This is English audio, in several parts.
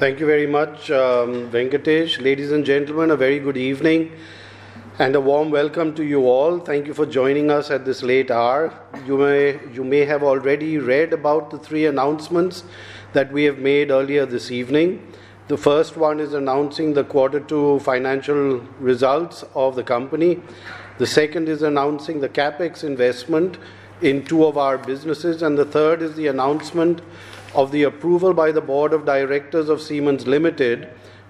Thank you very much, Venkatesh. Ladies and gentlemen, a very good evening and a warm welcome to you all. Thank you for joining us at this late hour. You may have already read about the three announcements that we have made earlier this evening. The first one is announcing the quarter two financial results of the company. The second is announcing the CapEx investment in two of our businesses. And the third is the announcement of the approval by the Board of Directors of Siemens Limited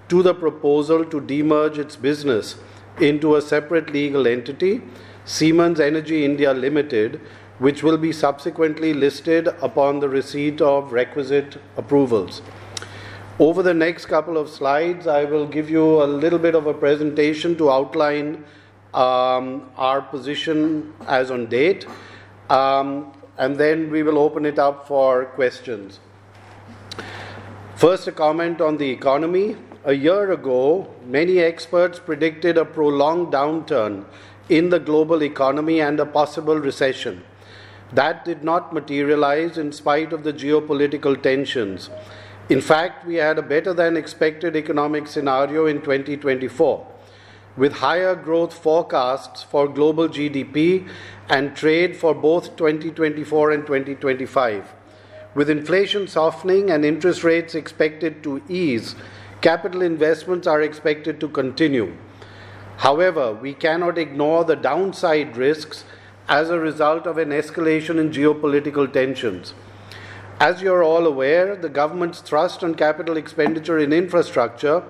to the proposal to demerge its business into a separate legal entity, Siemens Energy India Limited, which will be subsequently listed upon the receipt of requisite approvals. Over the next couple of slides, I will give you a little bit of a presentation to outline our position as of date. And then we will open it up for questions. First, a comment on the economy. A year ago, many experts predicted a prolonged downturn in the global economy and a possible recession. That did not materialize in spite of the geopolitical tensions. In fact, we had a better-than-expected economic scenario in 2024, with higher growth forecasts for global GDP and trade for both 2024 and 2025. With inflation softening and interest rates expected to ease, capital investments are expected to continue. However, we cannot ignore the downside risks as a result of an escalation in geopolitical tensions. As you're all aware, the government's thrust on capital expenditure in infrastructure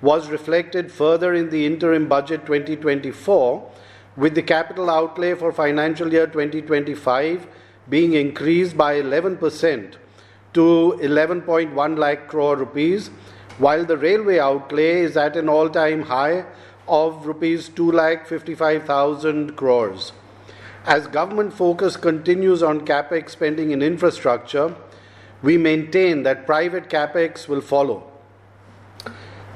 was reflected further in the interim budget 2024, with the capital outlay for financial year 2025 being increased by 11% to 11.1 lakh crore rupees, while the railway outlay is at an all-time high of rupees 255,000 crores. As government focus continues on CapEx spending in infrastructure, we maintain that private CapEx will follow.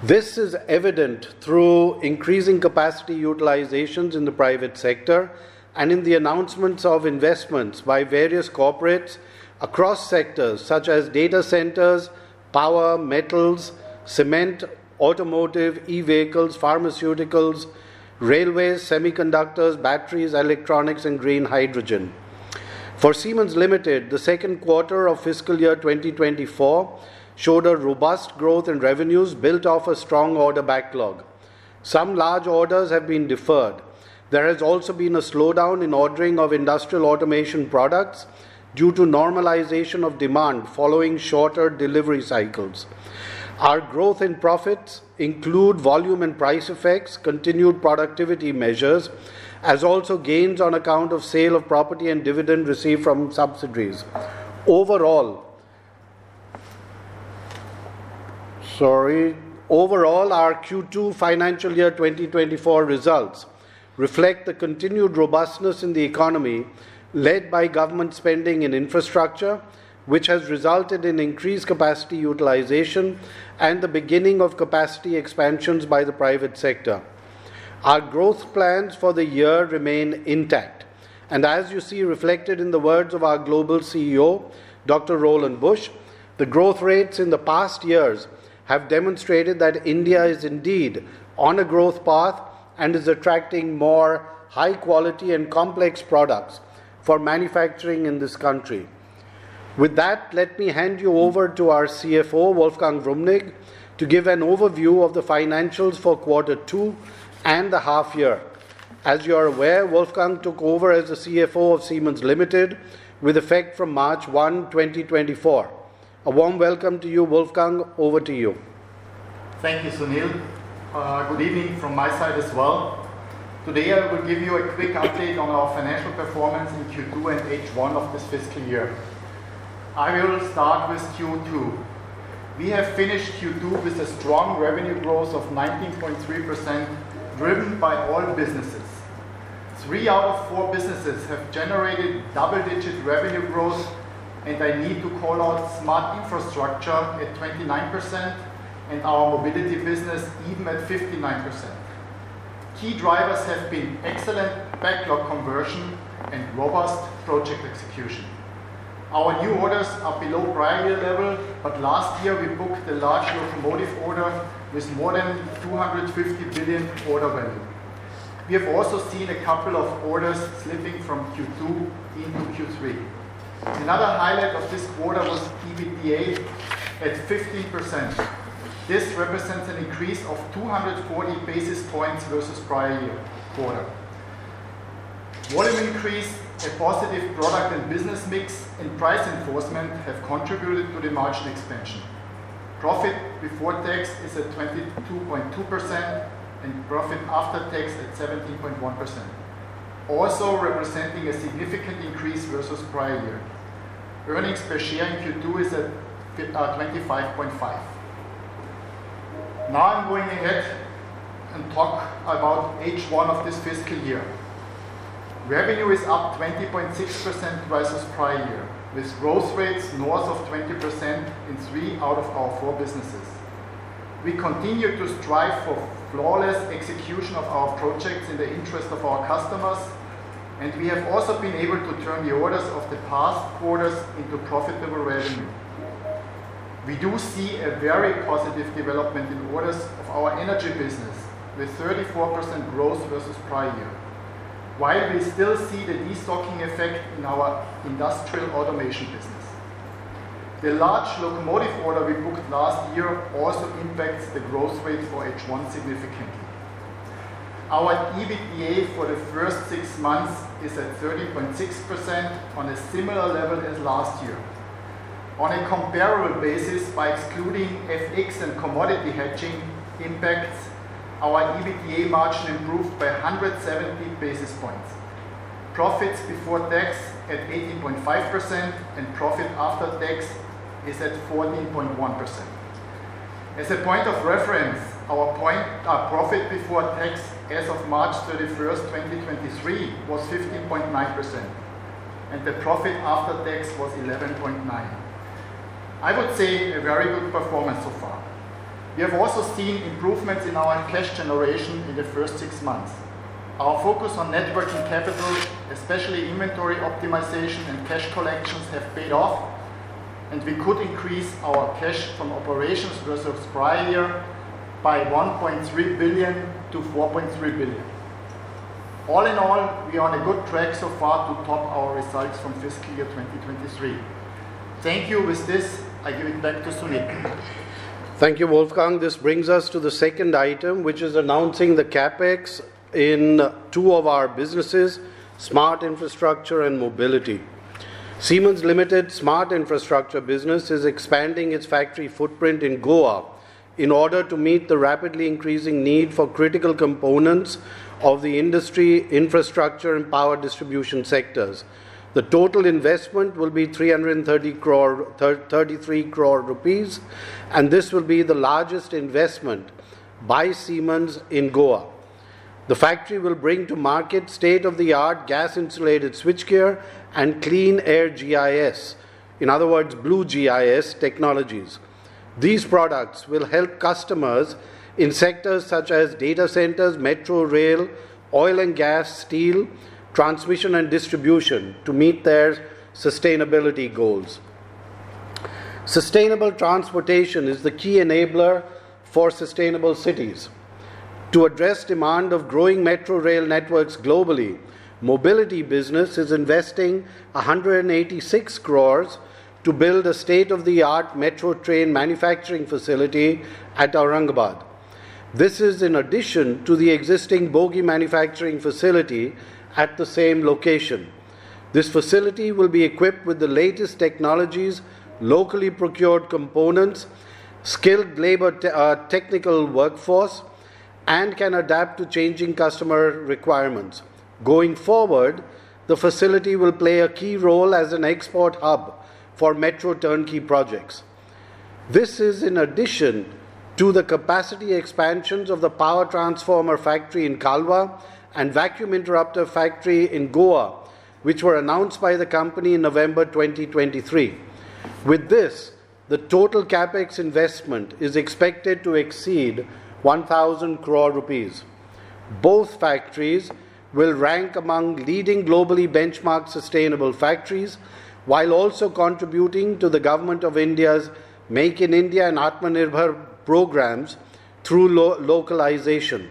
This is evident through increasing capacity utilizations in the private sector and in the announcements of investments by various corporates across sectors such as data centers, power, metals, cement, automotive, e-vehicles, pharmaceuticals, railways, semiconductors, batteries, electronics, and green hydrogen. For Siemens Limited, the second quarter of fiscal year 2024 showed a robust growth in revenues built off a strong order backlog. Some large orders have been deferred. There has also been a slowdown in ordering of industrial automation products due to normalization of demand following shorter delivery cycles. Our growth in profits includes volume and price effects, continued productivity measures, as well as gains on account of sale of property and dividend received from subsidiaries. Overall, our Q2 financial year 2024 results reflect the continued robustness in the economy led by government spending in infrastructure, which has resulted in increased capacity utilization and the beginning of capacity expansions by the private sector. Our growth plans for the year remain intact, and as you see reflected in the words of our global CEO, Dr. Roland Busch, the growth rates in the past years have demonstrated that India is indeed on a growth path and is attracting more high-quality and complex products for manufacturing in this country. With that, let me hand you over to our CFO, Wolfgang Wrumnig, to give an overview of the financials for quarter two and the half year. As you're aware, Wolfgang took over as the CFO of Siemens Limited with effect from March 1, 2024. A warm welcome to you, Wolfgang. Over to you. Thank you, Sunil. Good evening from my side as well. Today, I will give you a quick update on our financial performance in Q2 and H1 of this fiscal year. I will start with Q2. We have finished Q2 with a strong revenue growth of 19.3%, driven by all businesses. Three out of four businesses have generated double-digit revenue growth, and I need to call out Smart Infrastructure at 29% and our Mobility business even at 59%. Key drivers have been excellent backlog conversion and robust project execution. Our new orders are below prior year level, but last year, we booked a large locomotive order with more than 250 billion order value. We have also seen a couple of orders slipping from Q2 into Q3. Another highlight of this quarter was EBITDA at 15%. This represents an increase of 240 basis points versus prior year quarter. Volume increase, a positive product and business mix, and price enforcement have contributed to the margin expansion. Profit before tax is at 22.2% and profit after tax at 17.1%, also representing a significant increase versus prior year. Earnings per share in Q2 is at 25.5. Now I'm going ahead and talk about H1 of this fiscal year. Revenue is up 20.6% versus prior year, with growth rates north of 20% in three out of our four businesses. We continue to strive for flawless execution of our projects in the interest of our customers, and we have also been able to turn the orders of the past quarters into profitable revenue. We do see a very positive development in orders of our energy business with 34% growth versus prior year, while we still see the destocking effect in our industrial automation business. The large locomotive order we booked last year also impacts the growth rate for H1 significantly. Our EBITDA for the first six months is at 30.6%, on a similar level as last year. On a comparable basis, by excluding FX and commodity hedging impacts, our EBITDA margin improved by 170 basis points. Profit before tax at 18.5% and profit after tax is at 14.1%. As a point of reference, our profit before tax as of March 31, 2023, was 15.9%, and the profit after tax was 11.9%. I would say a very good performance so far. We have also seen improvements in our cash generation in the first six months. Our focus on net working capital, especially inventory optimization and cash collections, has paid off, and we could increase our cash from operations versus prior year by 1.3 billion to 4.3 billion. All in all, we are on a good track so far to top our results from fiscal year 2023. Thank you. With this, I give it back to Sunil. Thank you, Wolfgang. This brings us to the second item, which is announcing the CapEx in two of our businesses: Smart Infrastructure and Mobility. Siemens Limited's Smart Infrastructure business is expanding its factory footprint in Goa in order to meet the rapidly increasing need for critical components of the industry, infrastructure, and power distribution sectors. The total investment will be 333 crore, and this will be the largest investment by Siemens in Goa. The factory will bring to market state-of-the-art gas-insulated switchgear and Clean Air GIS, in other words, Blue GIS technologies. These products will help customers in sectors such as data centers, metro rail, oil and gas, steel, transmission, and distribution to meet their sustainability goals. Sustainable transportation is the key enabler for sustainable cities. To address the demand of growing metro rail networks globally, the Mobility business is investing 186 crores to build a state-of-the-art metro train manufacturing facility at Aurangabad. This is in addition to the existing bogie manufacturing facility at the same location. This facility will be equipped with the latest technologies, locally procured components, skilled labor, technical workforce, and can adapt to changing customer requirements. Going forward, the facility will play a key role as an export hub for metro turnkey projects. This is in addition to the capacity expansions of the power transformer factory in Kalwa and vacuum interrupter factory in Goa, which were announced by the company in November 2023. With this, the total CapEx investment is expected to exceed 1,000 crore rupees. Both factories will rank among leading globally benchmarked sustainable factories, while also contributing to the Government of India's Make in India and Atmanirbhar programs through localization.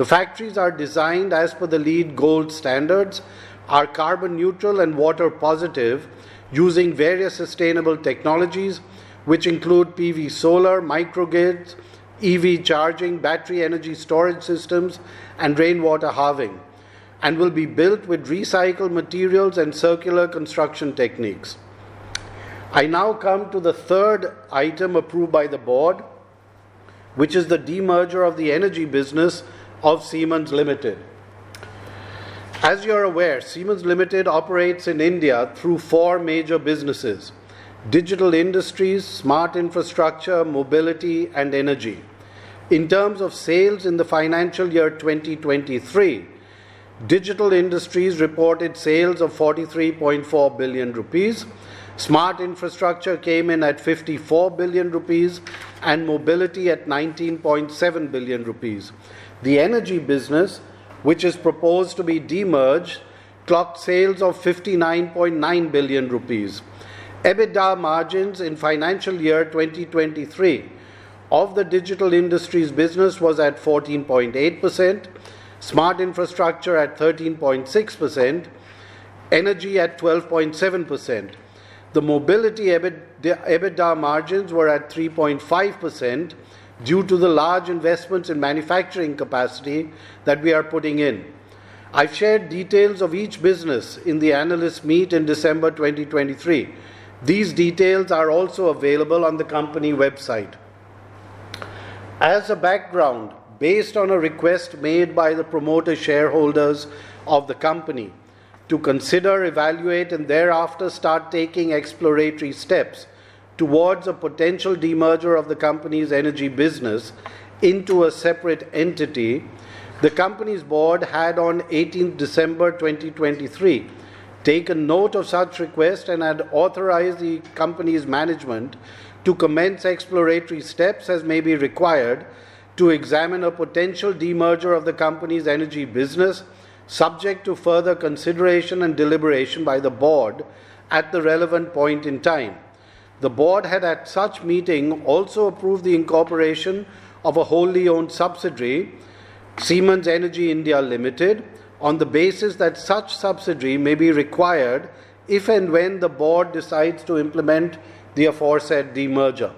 The factories are designed as per the LEED Gold standards, are carbon neutral and water positive, using various sustainable technologies, which include PV solar, microgrids, EV charging, battery energy storage systems, and rainwater harvesting, and will be built with recycled materials and circular construction techniques. I now come to the third item approved by the board, which is the demerger of the energy business of Siemens Limited. As you're aware, Siemens Limited operates in India through four major businesses: Digital Industries, smart infrastructure, mobility, and energy. In terms of sales in the financial year 2023, Digital Industries reported sales of 43.4 billion rupees, smart infrastructure came in at 54 billion rupees, and mobility at 19.7 billion rupees. The energy business, which is proposed to be demerged, clocked sales of 59.9 billion rupees. EBITDA margins in financial year 2023 of the Digital Industries business were at 14.8%, smart infrastructure at 13.6%, energy at 12.7%. The mobility EBITDA margins were at 3.5% due to the large investments in manufacturing capacity that we are putting in. I've shared details of each business in the analyst meet in December 2023. These details are also available on the company website. As a background, based on a request made by the promoter shareholders of the company to consider, evaluate, and thereafter start taking exploratory steps towards a potential demerger of the company's energy business into a separate entity, the company's board had, on 18 December 2023, taken note of such requests and had authorized the company's management to commence exploratory steps as may be required to examine a potential demerger of the company's energy business, subject to further consideration and deliberation by the board at the relevant point in time. The board had, at such meeting, also approved the incorporation of a wholly owned subsidiary, Siemens Energy India Limited, on the basis that such subsidiary may be required if and when the board decides to implement the aforesaid demerger.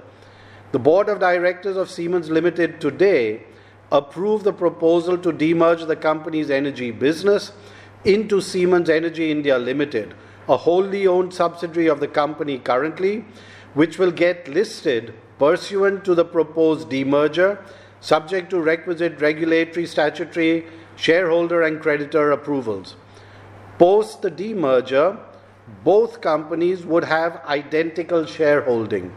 The board of directors of Siemens Limited today approved the proposal to demerge the company's energy business into Siemens Energy India Limited, a wholly owned subsidiary of the company currently, which will get listed pursuant to the proposed demerger, subject to requisite regulatory, statutory, shareholder, and creditor approvals. Post the demerger, both companies would have identical shareholding: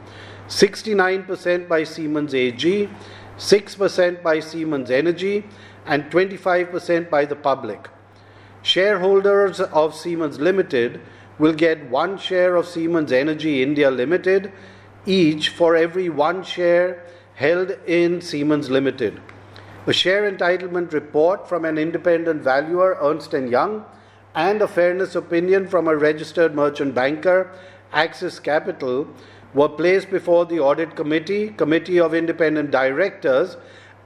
69% by Siemens AG, 6% by Siemens Energy, and 25% by the public. Shareholders of Siemens Limited will get one share of Siemens Energy India Limited, each for every one share held in Siemens Limited. A share entitlement report from an independent valuer, Ernst & Young, and a fairness opinion from a registered merchant banker, Axis Capital, were placed before the audit committee, Committee of Independent Directors,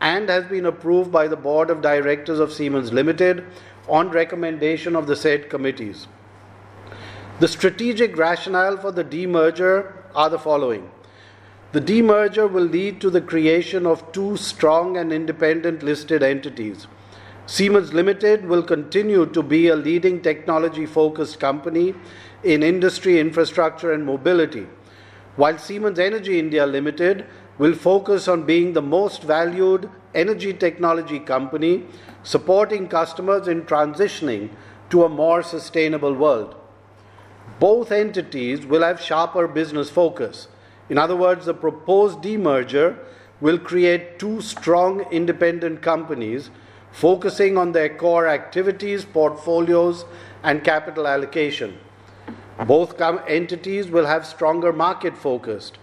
and have been approved by the board of directors of Siemens Limited on recommendation of the said committees. The strategic rationale for the demerger is the following. The demerger will lead to the creation of two strong and independent listed entities. Siemens Limited will continue to be a leading technology-focused company in industry, infrastructure, and mobility, while Siemens Energy India Limited will focus on being the most valued energy technology company, supporting customers in transitioning to a more sustainable world. Both entities will have sharper business focus. In other words, the proposed demerger will create two strong independent companies focusing on their core activities, portfolios, and capital allocation. Both entities will have stronger market focus.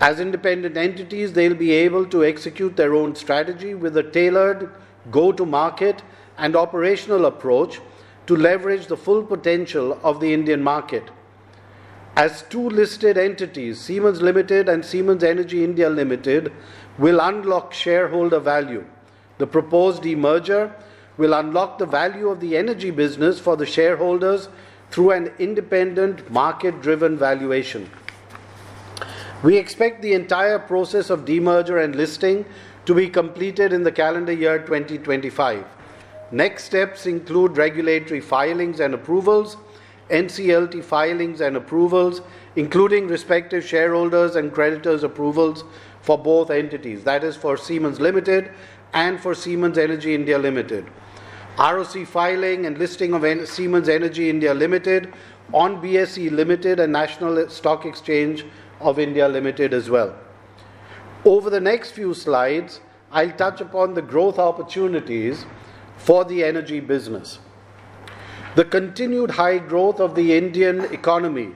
As independent entities, they'll be able to execute their own strategy with a tailored go-to-market and operational approach to leverage the full potential of the Indian market. As two listed entities, Siemens Limited and Siemens Energy India Limited, will unlock shareholder value. The proposed demerger will unlock the value of the energy business for the shareholders through an independent market-driven valuation. We expect the entire process of demerger and listing to be completed in the calendar year 2025. Next steps include regulatory filings and approvals, NCLT filings and approvals, including respective shareholders' and creditors' approvals for both entities, that is, for Siemens Limited and for Siemens Energy India Limited. ROC filing and listing of Siemens Energy India Limited on BSE Limited and National Stock Exchange of India Limited as well. Over the next few slides, I'll touch upon the growth opportunities for the energy business. The continued high growth of the Indian economy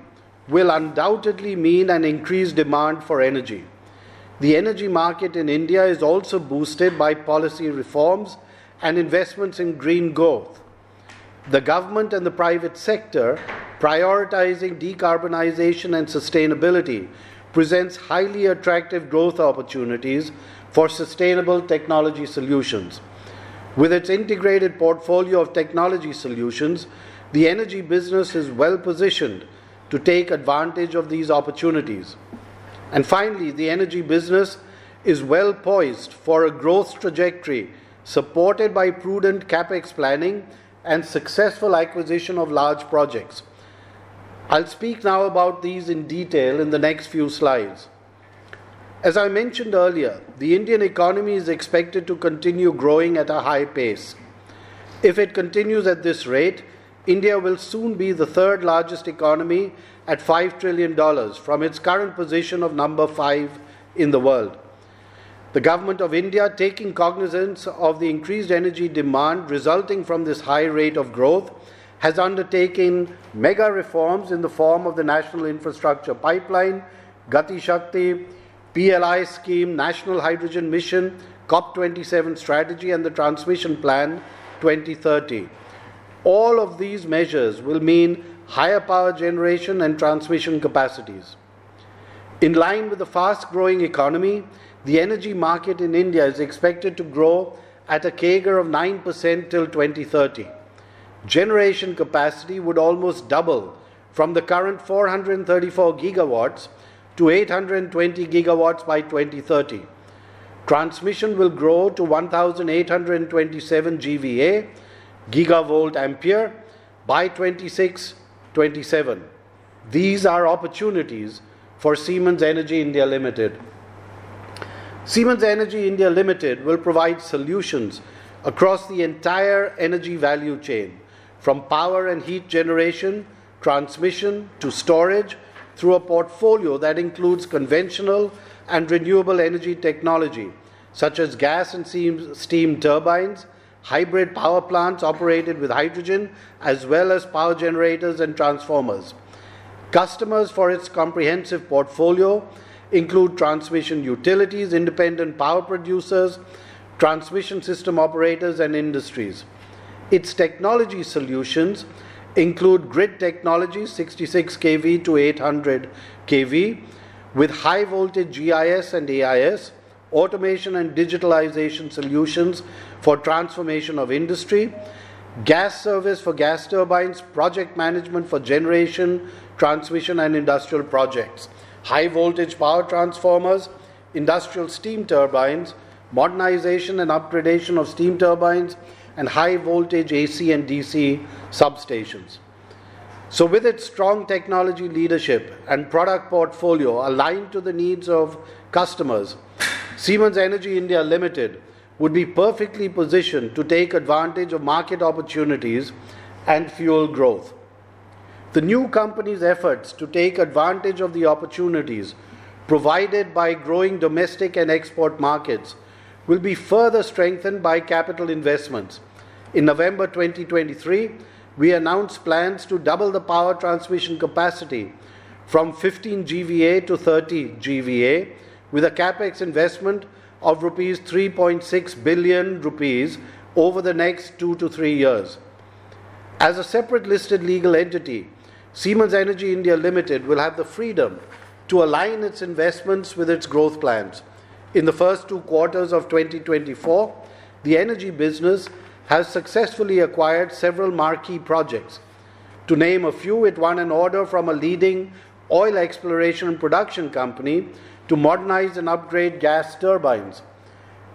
will undoubtedly mean an increased demand for energy. The energy market in India is also boosted by policy reforms and investments in green growth. The government and the private sector prioritizing decarbonization and sustainability presents highly attractive growth opportunities for sustainable technology solutions. With its integrated portfolio of technology solutions, the energy business is well-positioned to take advantage of these opportunities, and finally, the energy business is well-poised for a growth trajectory supported by prudent CapEx planning and successful acquisition of large projects. I'll speak now about these in detail in the next few slides. As I mentioned earlier, the Indian economy is expected to continue growing at a high pace. If it continues at this rate, India will soon be the third-largest economy at $5 trillion from its current position of number five in the world. The government of India, taking cognizance of the increased energy demand resulting from this high rate of growth, has undertaken mega reforms in the form of the National Infrastructure Pipeline, Gati Shakti, PLI scheme, National Hydrogen Mission, COP27 strategy, and the Transmission Plan 2030. All of these measures will mean higher power generation and transmission capacities. In line with a fast-growing economy, the energy market in India is expected to grow at a CAGR of 9% till 2030. Generation capacity would almost double from the current 434 GW to 820 GW by 2030. Transmission will grow to 1,827 GVA, gigavolt-ampere, by 2030. These are opportunities for Siemens Energy India Limited. Siemens Energy India Limited will provide solutions across the entire energy value chain, from power and heat generation, transmission, to storage, through a portfolio that includes conventional and renewable energy technology, such as gas and steam turbines, hybrid power plants operated with hydrogen, as well as power generators and transformers. Customers for its comprehensive portfolio include transmission utilities, independent power producers, transmission system operators, and industries. Its technology solutions include grid technology, 66-800 kV, with high-voltage GIS and AIS, automation and digitalization solutions for transformation of industry, gas service for gas turbines, project management for generation, transmission, and industrial projects, high-voltage power transformers, industrial steam turbines, modernization and upgradation of steam turbines, and high-voltage AC and DC substations. With its strong technology leadership and product portfolio aligned to the needs of customers, Siemens Energy India Limited would be perfectly positioned to take advantage of market opportunities and fuel growth. The new company's efforts to take advantage of the opportunities provided by growing domestic and export markets will be further strengthened by capital investments. In November 2023, we announced plans to double the power transmission capacity from 15 GVA to 30 GVA, with a CapEx investment of 3.6 billion rupees over the next two to three years. As a separate listed legal entity, Siemens Energy India Limited will have the freedom to align its investments with its growth plans. In the first two quarters of 2024, the energy business has successfully acquired several marquee projects. To name a few, it won an order from a leading oil exploration and production company to modernize and upgrade gas turbines.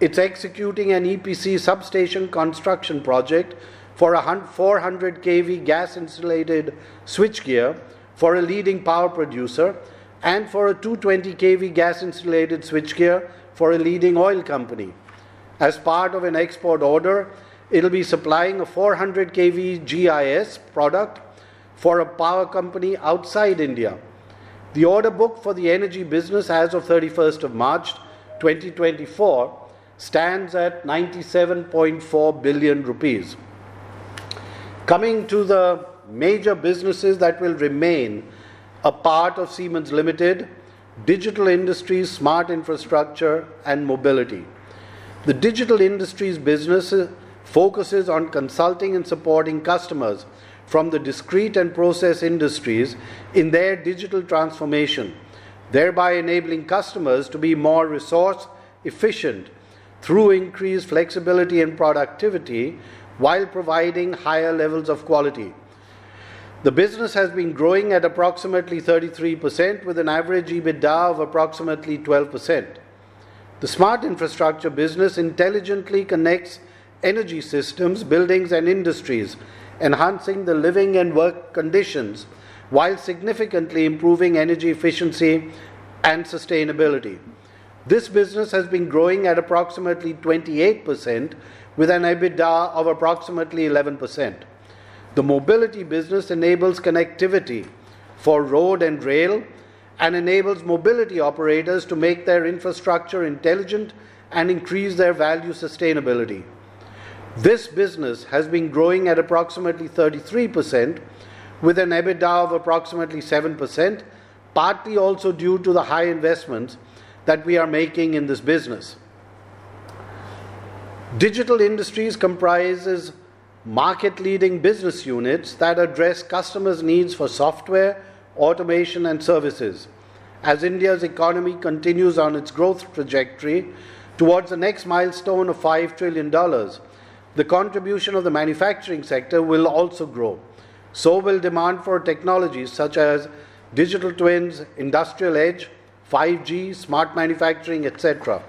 It's executing an EPC substation construction project for a 400 kV gas-insulated switchgear for a leading power producer and for a 220 kV gas-insulated switchgear for a leading oil company. As part of an export order, it'll be supplying a 400 kV GIS product for a power company outside India. The order book for the energy business as of 31 March 2024 stands at 97.4 billion rupees. Coming to the major businesses that will remain a part of Siemens Limited: Digital Industries, Smart Infrastructure, and Mobility. The Digital Industries business focuses on consulting and supporting customers from the discrete and process industries in their digital transformation, thereby enabling customers to be more resource-efficient through increased flexibility and productivity while providing higher levels of quality. The business has been growing at approximately 33%, with an average EBITDA of approximately 12%. The Smart Infrastructure business intelligently connects energy systems, buildings, and industries, enhancing the living and work conditions while significantly improving energy efficiency and sustainability. This business has been growing at approximately 28%, with an EBITDA of approximately 11%. The Mobility business enables connectivity for road and rail and enables mobility operators to make their infrastructure intelligent and increase their value sustainability. This business has been growing at approximately 33%, with an EBITDA of approximately 7%, partly also due to the high investments that we are making in this business. Digital Industries comprises market-leading business units that address customers' needs for software, automation, and services. As India's economy continues on its growth trajectory towards the next milestone of $5 trillion, the contribution of the manufacturing sector will also grow, so will demand for technologies such as Digital Twins, Industrial Edge, 5G, smart manufacturing, etc.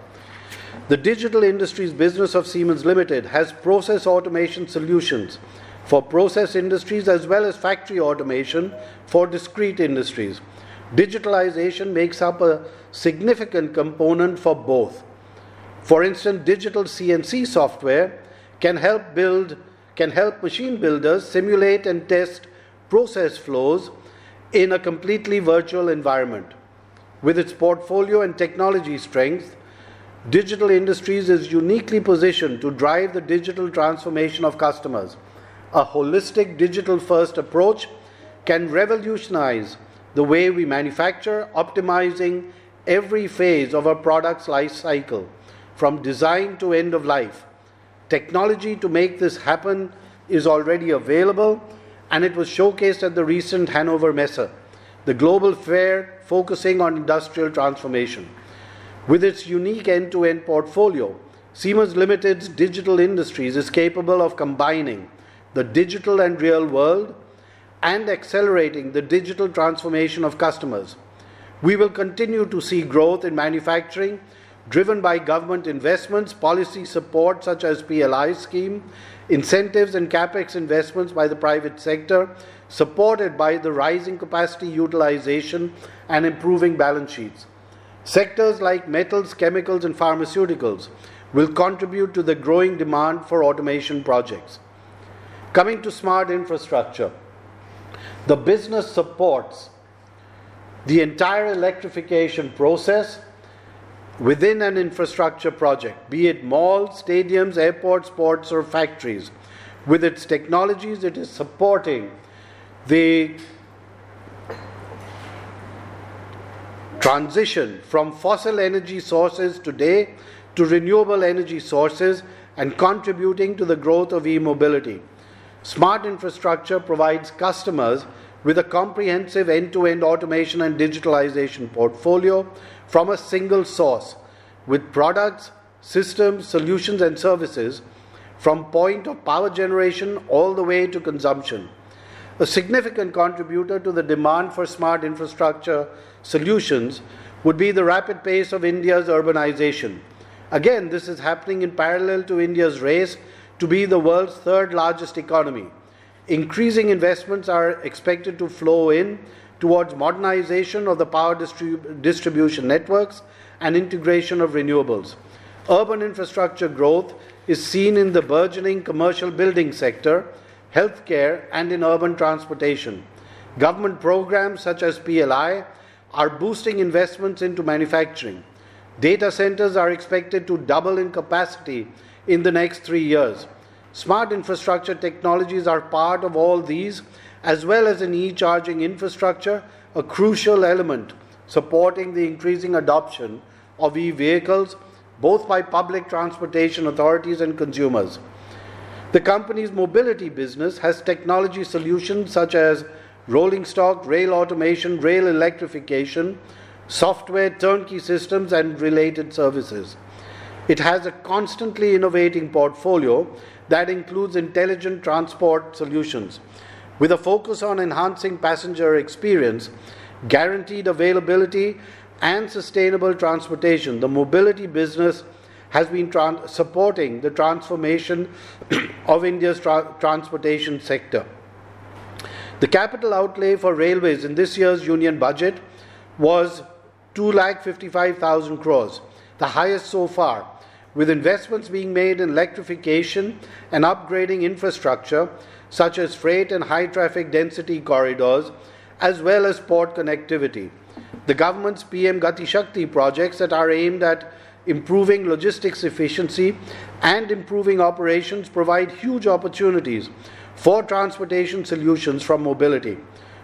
The Digital Industries business of Siemens Limited has process automation solutions for process industries as well as factory automation for discrete industries. Digitalization makes up a significant component for both. For instance, digital CNC software can help machine builders simulate and test process flows in a completely virtual environment. With its portfolio and technology strength, Digital Industries is uniquely positioned to drive the digital transformation of customers. A holistic digital-first approach can revolutionize the way we manufacture, optimizing every phase of a product's lifecycle from design to end of life. Technology to make this happen is already available, and it was showcased at the recent Hannover Messe, the global fair focusing on industrial transformation. With its unique end-to-end portfolio, Siemens Limited's Digital Industries is capable of combining the digital and real world and accelerating the digital transformation of customers. We will continue to see growth in manufacturing driven by government investments, policy support such as PLI scheme, incentives, and CapEx investments by the private sector, supported by the rising capacity utilization and improving balance sheets. Sectors like metals, chemicals, and pharmaceuticals will contribute to the growing demand for automation projects. Coming to Smart Infrastructure, the business supports the entire electrification process within an infrastructure project, be it malls, stadiums, airports, ports, or factories. With its technologies, it is supporting the transition from fossil energy sources today to renewable energy sources and contributing to the growth of e-mobility. Smart Infrastructure provides customers with a comprehensive end-to-end automation and digitalization portfolio from a single source, with products, systems, solutions, and services from point of power generation all the way to consumption. A significant contributor to the demand for Smart Infrastructure solutions would be the rapid pace of India's urbanization. Again, this is happening in parallel to India's race to be the world's third-largest economy. Increasing investments are expected to flow in towards modernization of the power distribution networks and integration of renewables. Urban infrastructure growth is seen in the burgeoning commercial building sector, healthcare, and in urban transportation. Government programs such as PLI are boosting investments into manufacturing. Data centers are expected to double in capacity in the next three years. Smart infrastructure technologies are part of all these, as well as an e-charging infrastructure, a crucial element supporting the increasing adoption of e-vehicles, both by public transportation authorities and consumers. The company's Mobility business has technology solutions such as rolling stock, rail automation, rail electrification, software turnkey systems, and related services. It has a constantly innovating portfolio that includes intelligent transport solutions. With a focus on enhancing passenger experience, guaranteed availability, and sustainable transportation, the Mobility business has been supporting the transformation of India's transportation sector. The capital outlay for railways in this year's union budget was 255,000 crores, the highest so far, with investments being made in electrification and upgrading infrastructure such as freight and high-traffic density corridors, as well as port connectivity. The government's PM Gati Shakti projects that are aimed at improving logistics efficiency and improving operations provide huge opportunities for transportation solutions from mobility.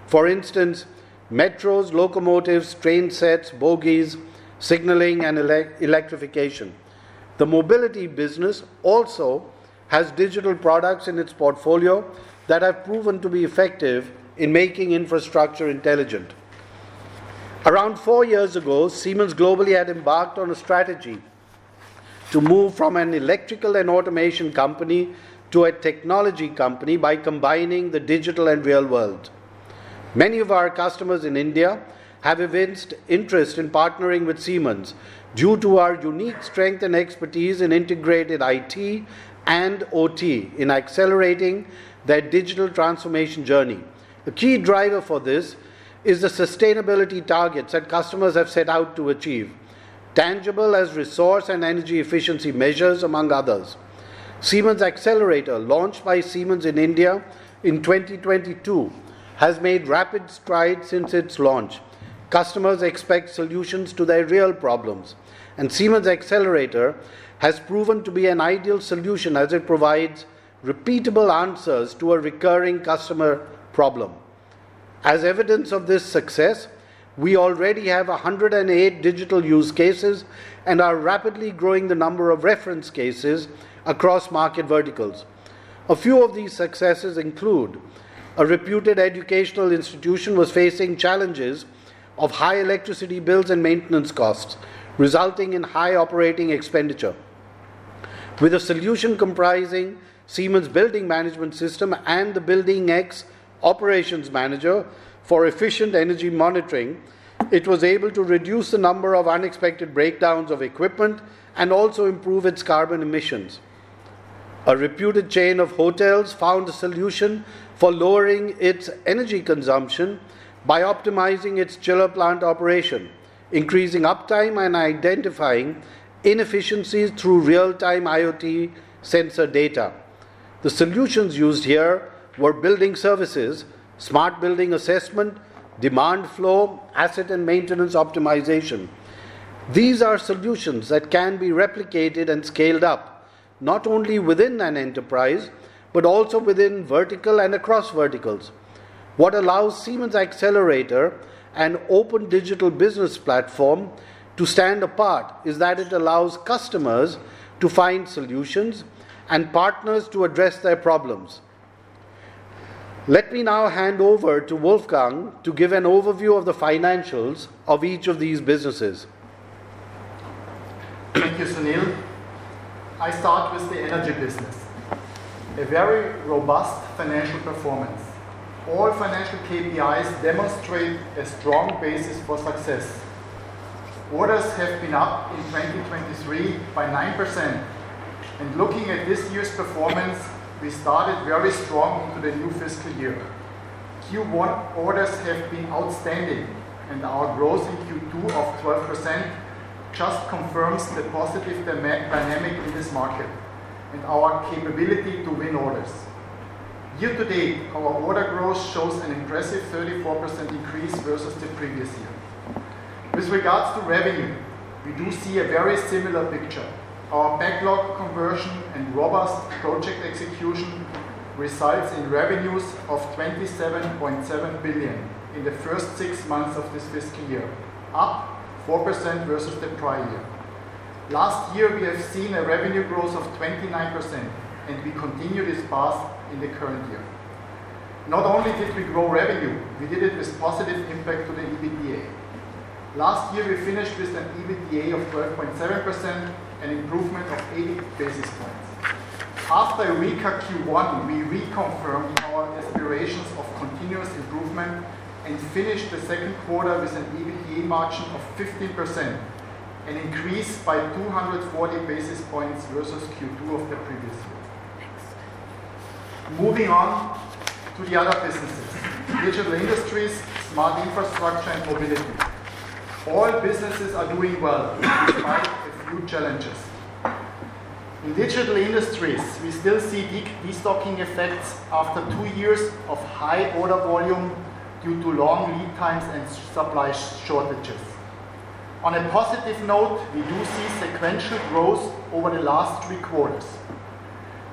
For instance, metros, locomotives, train sets, bogies, signaling, and electrification. The Mobility business also has digital products in its portfolio that have proven to be effective in making infrastructure intelligent. Around four years ago, Siemens globally had embarked on a strategy to move from an electrical and automation company to a technology company by combining the digital and real world. Many of our customers in India have evinced interest in partnering with Siemens due to our unique strength and expertise in integrated IT and OT in accelerating their digital transformation journey. A key driver for this is the sustainability targets that customers have set out to achieve, tangible as resource and energy efficiency measures, among others. Siemens Xcelerator, launched by Siemens in India in 2022, has made rapid strides since its launch. Customers expect solutions to their real problems, and Siemens Xcelerator has proven to be an ideal solution as it provides repeatable answers to a recurring customer problem. As evidence of this success, we already have 108 digital use cases and are rapidly growing the number of reference cases across market verticals. A few of these successes include a reputed educational institution that was facing challenges of high electricity bills and maintenance costs, resulting in high operating expenditure. With a solution comprising Siemens' building management system and the Building X operations manager for efficient energy monitoring, it was able to reduce the number of unexpected breakdowns of equipment and also improve its carbon emissions. A reputed chain of hotels found a solution for lowering its energy consumption by optimizing its chiller plant operation, increasing uptime, and identifying inefficiencies through real-time IoT sensor data. The solutions used here were building services, smart building assessment, Demand Flow, asset and maintenance optimization. These are solutions that can be replicated and scaled up not only within an enterprise but also within vertical and across verticals. What allows Siemens Xcelerator, an open digital business platform, to stand apart is that it allows customers to find solutions and partners to address their problems. Let me now hand over to Wolfgang to give an overview of the financials of each of these businesses. Thank you, Sunil. I start with the energy business. A very robust financial performance. All financial KPIs demonstrate a strong basis for success. Orders have been up in 2023 by 9%. And looking at this year's performance, we started very strong into the new fiscal year. Q1 orders have been outstanding, and our growth in Q2 of 12% just confirms the positive dynamic in this market and our capability to win orders. Year to date, our order growth shows an impressive 34% increase versus the previous year. With regards to revenue, we do see a very similar picture. Our backlog conversion and robust project execution results in revenues of 27.7 billion in the first six months of this fiscal year, up 4% versus the prior year. Last year, we have seen a revenue growth of 29%, and we continue this path in the current year. Not only did we grow revenue, we did it with positive impact to the EBITDA. Last year, we finished with an EBITDA of 12.7%, an improvement of 80 basis points. After our Q1, we reconfirmed our aspirations of continuous improvement and finished the second quarter with an EBITDA margin of 15%, an increase by 240 basis points versus Q2 of the previous year. Moving on to the other businesses: digital industries, smart infrastructure, and mobility. All businesses are doing well despite a few challenges. In digital industries, we still see de-stocking effects after two years of high order volume due to long lead times and supply shortages. On a positive note, we do see sequential growth over the last three quarters.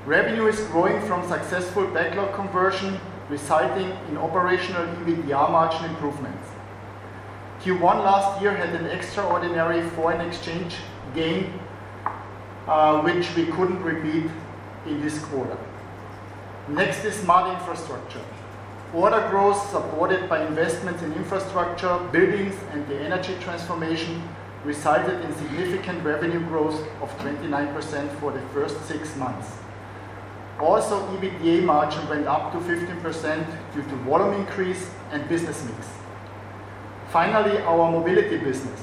Revenue is growing from successful backlog conversion, resulting in operational EBITDA margin improvements. Q1 last year had an extraordinary foreign exchange gain, which we couldn't repeat in this quarter. Next is Smart Infrastructure. Order growth supported by investments in infrastructure, buildings, and the energy transformation resulted in significant revenue growth of 29% for the first six months. Also, EBITDA margin went up to 15% due to volume increase and business mix. Finally, our Mobility business.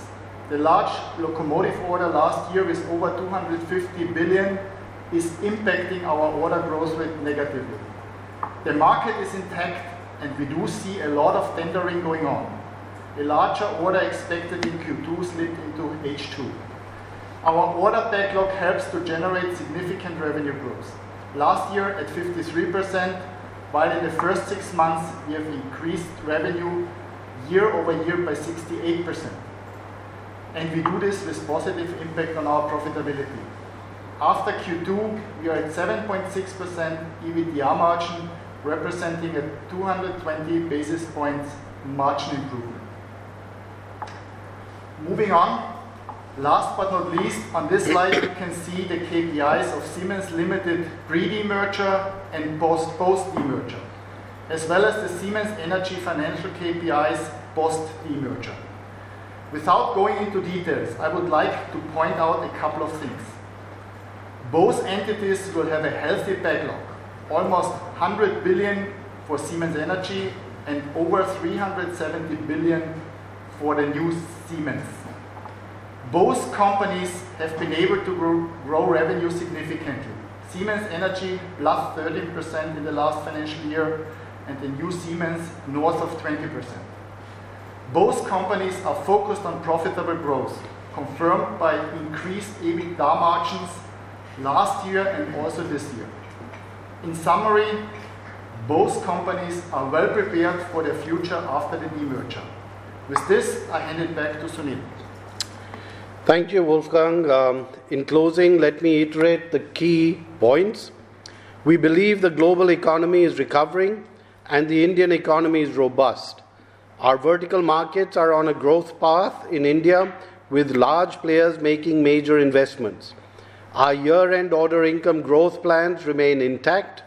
The large locomotive order last year with over ₹250 billion is impacting our order growth negatively. The market is intact, and we do see a lot of tendering going on. A larger order expected in Q2 slipped into H2. Our order backlog helps to generate significant revenue growth last year at 53%, while in the first six months, we have increased revenue year over year by 68%, and we do this with positive impact on our profitability. After Q2, we are at 7.6% EBITDA margin, representing a 220 basis points margin improvement. Moving on, last but not least, on this slide, you can see the KPIs of Siemens Limited pre-demerger and post-demerger, as well as the Siemens Energy financial KPIs post-demerger. Without going into details, I would like to point out a couple of things. Both entities will have a healthy backlog, almost 100 billion for Siemens Energy and over 370 billion for the new Siemens. Both companies have been able to grow revenue significantly. Siemens Energy +13% in the last financial year, and the new Siemens north of 20%. Both companies are focused on profitable growth, confirmed by increased EBITDA margins last year and also this year. In summary, both companies are well prepared for their future after the demerger. With this, I hand it back to Sunil. Thank you, Wolfgang. In closing, let me reiterate the key points. We believe the global economy is recovering, and the Indian economy is robust. Our vertical markets are on a growth path in India, with large players making major investments. Our year-end order income growth plans remain intact.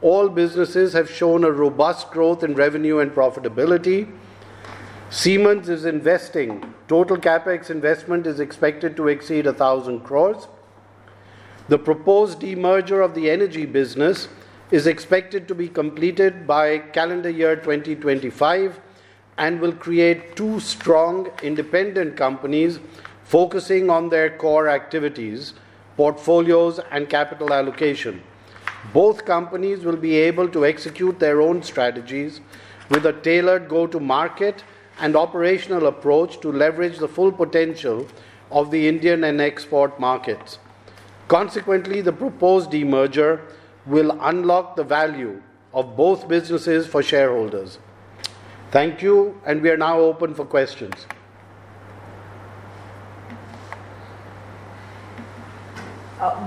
All businesses have shown a robust growth in revenue and profitability. Siemens is investing. Total CapEx investment is expected to exceed 1,000 crores. The proposed demerger of the energy business is expected to be completed by calendar year 2025 and will create two strong independent companies focusing on their core activities, portfolios, and capital allocation. Both companies will be able to execute their own strategies with a tailored go-to-market and operational approach to leverage the full potential of the Indian and export markets. Consequently, the proposed demerger will unlock the value of both businesses for shareholders. Thank you, and we are now open for questions.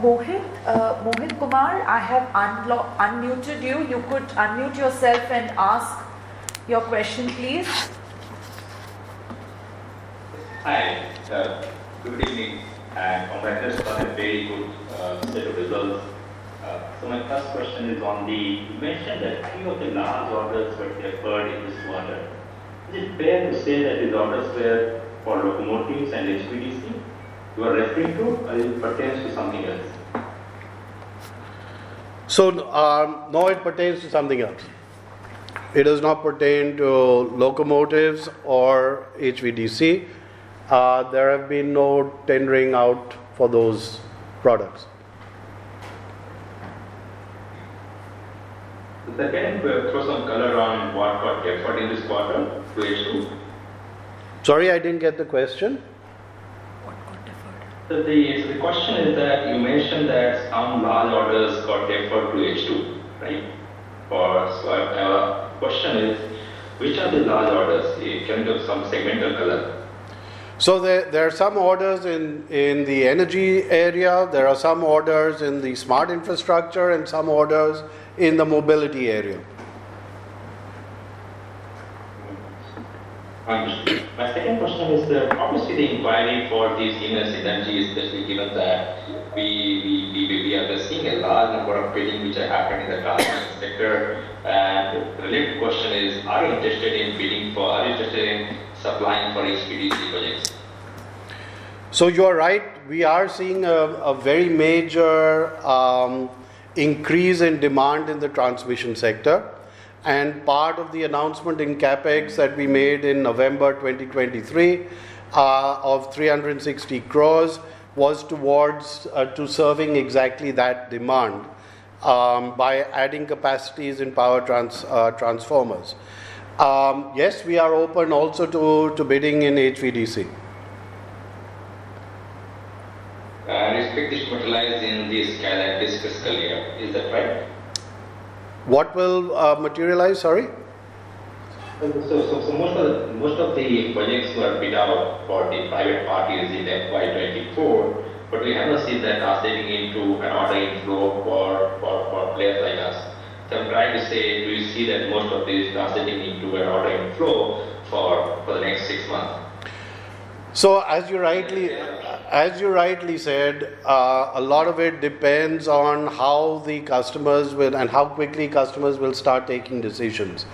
Mohit Kumar, I have unmuted you. You could unmute yourself and ask your question, please. Hi. Good evening, and congratulations on a very good set of results. So my first question is on the you mentioned that three of the large orders were deferred in this quarter. Is it fair to say that these orders were for locomotives and HVDC you are referring to, or it pertains to something else? So no, it pertains to something else. It does not pertain to locomotives or HVDC. There have been no tendering out for those products. So second, we'll throw some color on what got deferred in this quarter to H2. Sorry, I didn't get the question. What got deferred? So the question is that you mentioned that some large orders got deferred to H2, right? So my question is, which are the large orders? Can you give some segmental color? So there are some orders in the energy area. There are some orders in the smart infrastructure and some orders in the mobility area. Understood. My second question is, obviously, the inquiry for this Siemens Energy is especially given that we are seeing a large number of bidding which are happening in the transmission sector. And the related question is, are you interested in bidding for are you interested in supplying for HVDC projects? So you are right. We are seeing a very major increase in demand in the transmission sector. And part of the announcement in CapEx that we made in November 2023 of 360 crores was towards serving exactly that demand by adding capacities in power transformers. Yes, we are open also to bidding in HVDC. And it's quickly materialized in this calendar fiscal year. Is that right? What will materialize? Sorry? So, most of the projects were bid out for the private parties in FY24, but we have not seen that are setting into an ordering flow for players like us. So, I'm trying to say, do you see that most of these are setting into an ordering flow for the next six months? So, as you rightly said, a lot of it depends on how the customers will and how quickly customers will start taking decisions.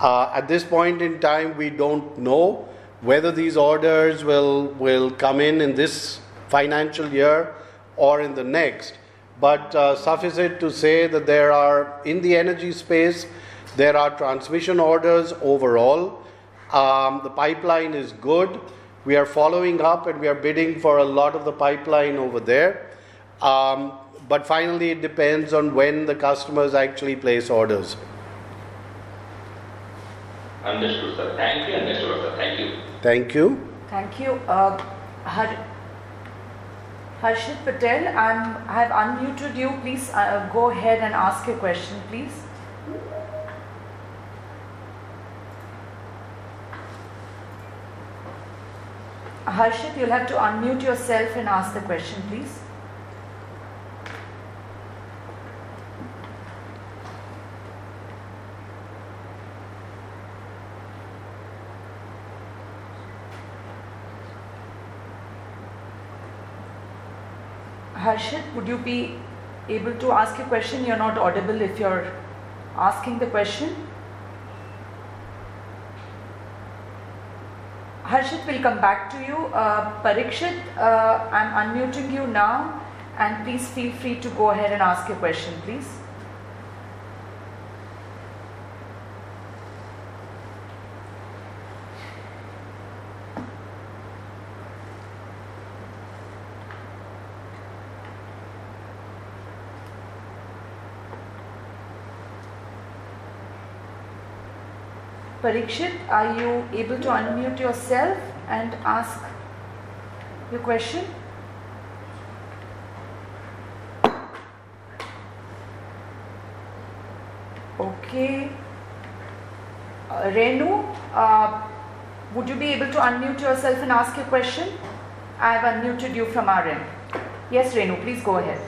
At this point in time, we don't know whether these orders will come in in this financial year or in the next. But suffice it to say that in the energy space, there are transmission orders overall. The pipeline is good. We are following up, and we are bidding for a lot of the pipeline over there. But finally, it depends on when the customers actually place orders. Understood, sir. Thank you, Mr. Mathur. Thank you. Thank you. Thank you. Harshit Patel, I have unmuted you. Please go ahead and ask your question, please. Harshit, you'll have to unmute yourself and ask the question, please. Harshit, would you be able to ask your question? You're not audible if you're asking the question. Harshit will come back to you. Parikshit, I'm unmuting you now, and please feel free to go ahead and ask your question, please. Parikshit, are you able to unmute yourself and ask your question? Okay. Renu, would you be able to unmute yourself and ask your question? I have unmuted you from our end. Yes, Renu, please go ahead.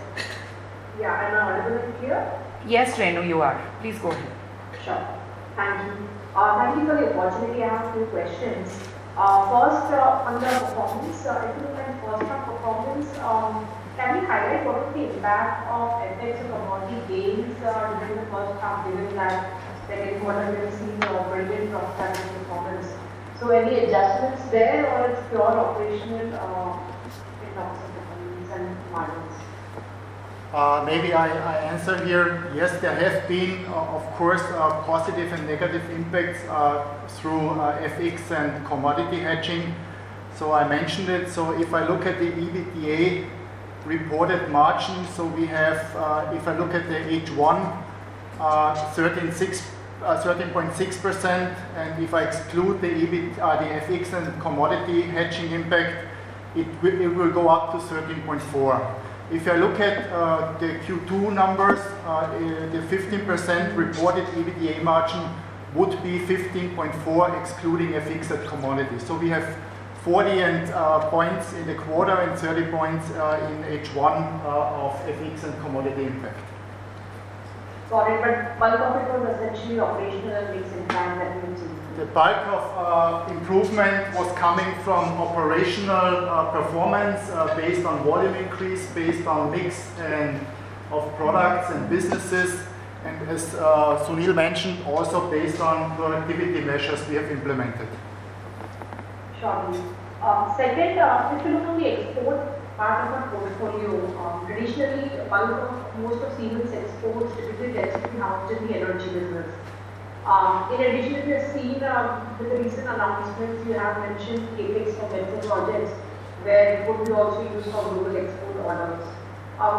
Yeah. Am I audible in here? Yes, Renu, you are. Please go ahead. Sure. Thank you. Thank you for the opportunity. I have a few questions. First, on the performance, if you can first have performance, can you highlight what is the impact of FX or commodity gains during the first half given that they're getting what I've been seeing of brilliant cross-platform performance? So any adjustments there, or it's pure operational in terms of the volumes and margins? Maybe I answer here. Yes, there have been, of course, positive and negative impacts through FX and commodity hedging. So I mentioned it. So if I look at the EBITDA reported margin, so we have if I look at the H1, 13.6%. And if I exclude the FX and commodity hedging impact, it will go up to 13.4%. If I look at the Q2 numbers, the 15% reported EBITDA margin would be 15.4% excluding FX and commodity. So we have 40 points in the quarter and 30 points in H1 of FX and commodity impact. Sorry, but the bulk of it was essentially operational and mixed impact that you've seen. The bulk of improvement was coming from operational performance based on volume increase, based on mix of products and businesses, and as Sunil mentioned, also based on productivity measures we have implemented. Sure. Second, if you look on the export part of our portfolio, traditionally, most of Siemens' exports typically tends to be housed in the energy business. In addition, if you have seen with the recent announcements, you have mentioned CapEx for metro projects where it would be also used for global export orders.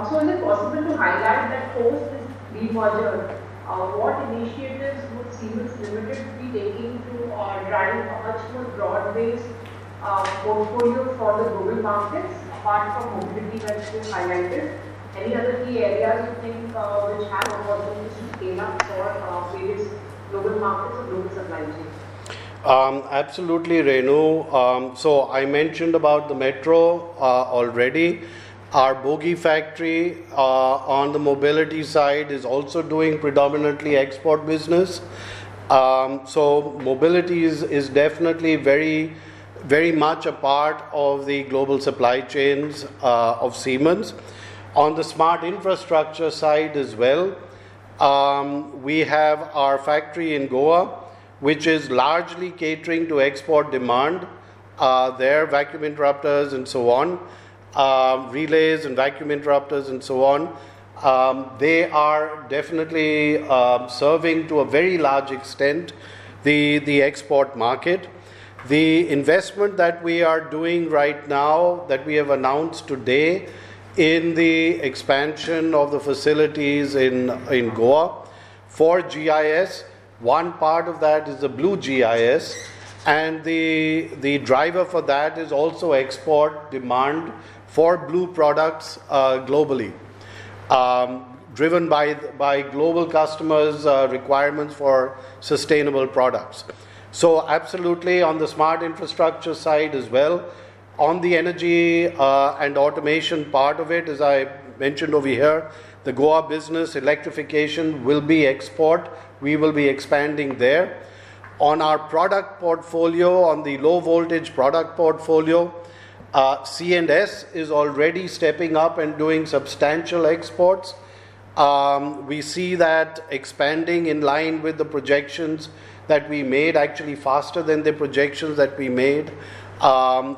So is it possible to highlight that post-demerger, what initiatives would Siemens Limited be taking to drive a much more broad-based portfolio for the global markets apart from mobility that you have highlighted? Any other key areas you think which have opportunities to scale up for various global markets or global supply chain? Absolutely, Renu. So I mentioned about the metro already. Our bogie factory on the mobility side is also doing predominantly export business. So mobility is definitely very much a part of the global supply chains of Siemens. On the smart infrastructure side as well, we have our factory in Goa, which is largely catering to export demand. There are vacuum interrupters and so on, relays and vacuum interrupters and so on. They are definitely serving to a very large extent the export market. The investment that we are doing right now that we have announced today in the expansion of the facilities in Goa for GIS, one part of that is the Blue GIS. The driver for that is also export demand for blue products globally, driven by global customers' requirements for sustainable products. So absolutely, on the smart infrastructure side as well, on the energy and automation part of it, as I mentioned over here, the Goa business electrification will be export. We will be expanding there. On our product portfolio, on the low-voltage product portfolio, C&S is already stepping up and doing substantial exports. We see that expanding in line with the projections that we made, actually faster than the projections that we made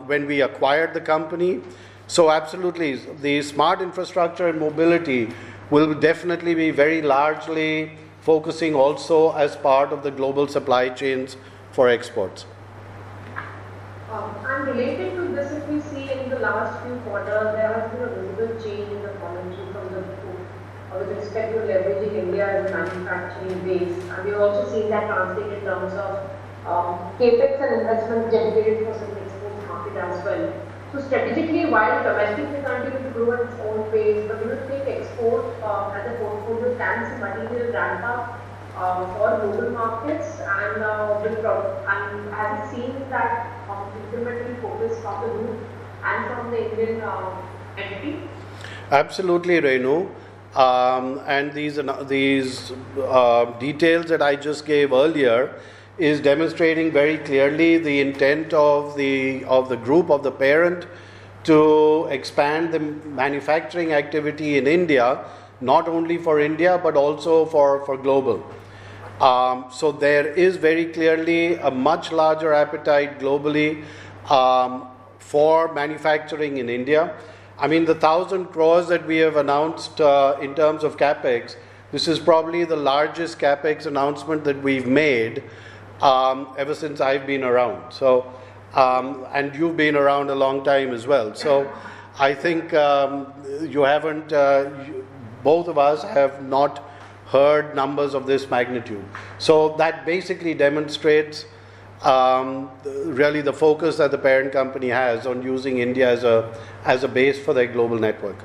when we acquired the company. So absolutely, the smart infrastructure and mobility will definitely be very largely focusing also as part of the global supply chains for exports. And related to this, if you see in the last few quarters, there has been a visible change in the volatility from the world with respect to leveraging India as a manufacturing base. And we've also seen that translate in terms of CapEx and investment dedicated for some export market as well. So strategically, while domestic is continuing to grow at its own pace, the blue-chip export as a portfolio can see material ramp-up for global markets and has seen that incremental focus from the Group and from the Indian entity? Absolutely, Renu. And these details that I just gave earlier are demonstrating very clearly the intent of the group, of the parent, to expand the manufacturing activity in India, not only for India but also for global. So there is very clearly a much larger appetite globally for manufacturing in India. I mean, the 1,000 crores that we have announced in terms of CapEx, this is probably the largest CapEx announcement that we've made ever since I've been around. And you've been around a long time as well. So I think both of us have not heard numbers of this magnitude. So that basically demonstrates really the focus that the parent company has on using India as a base for their global network.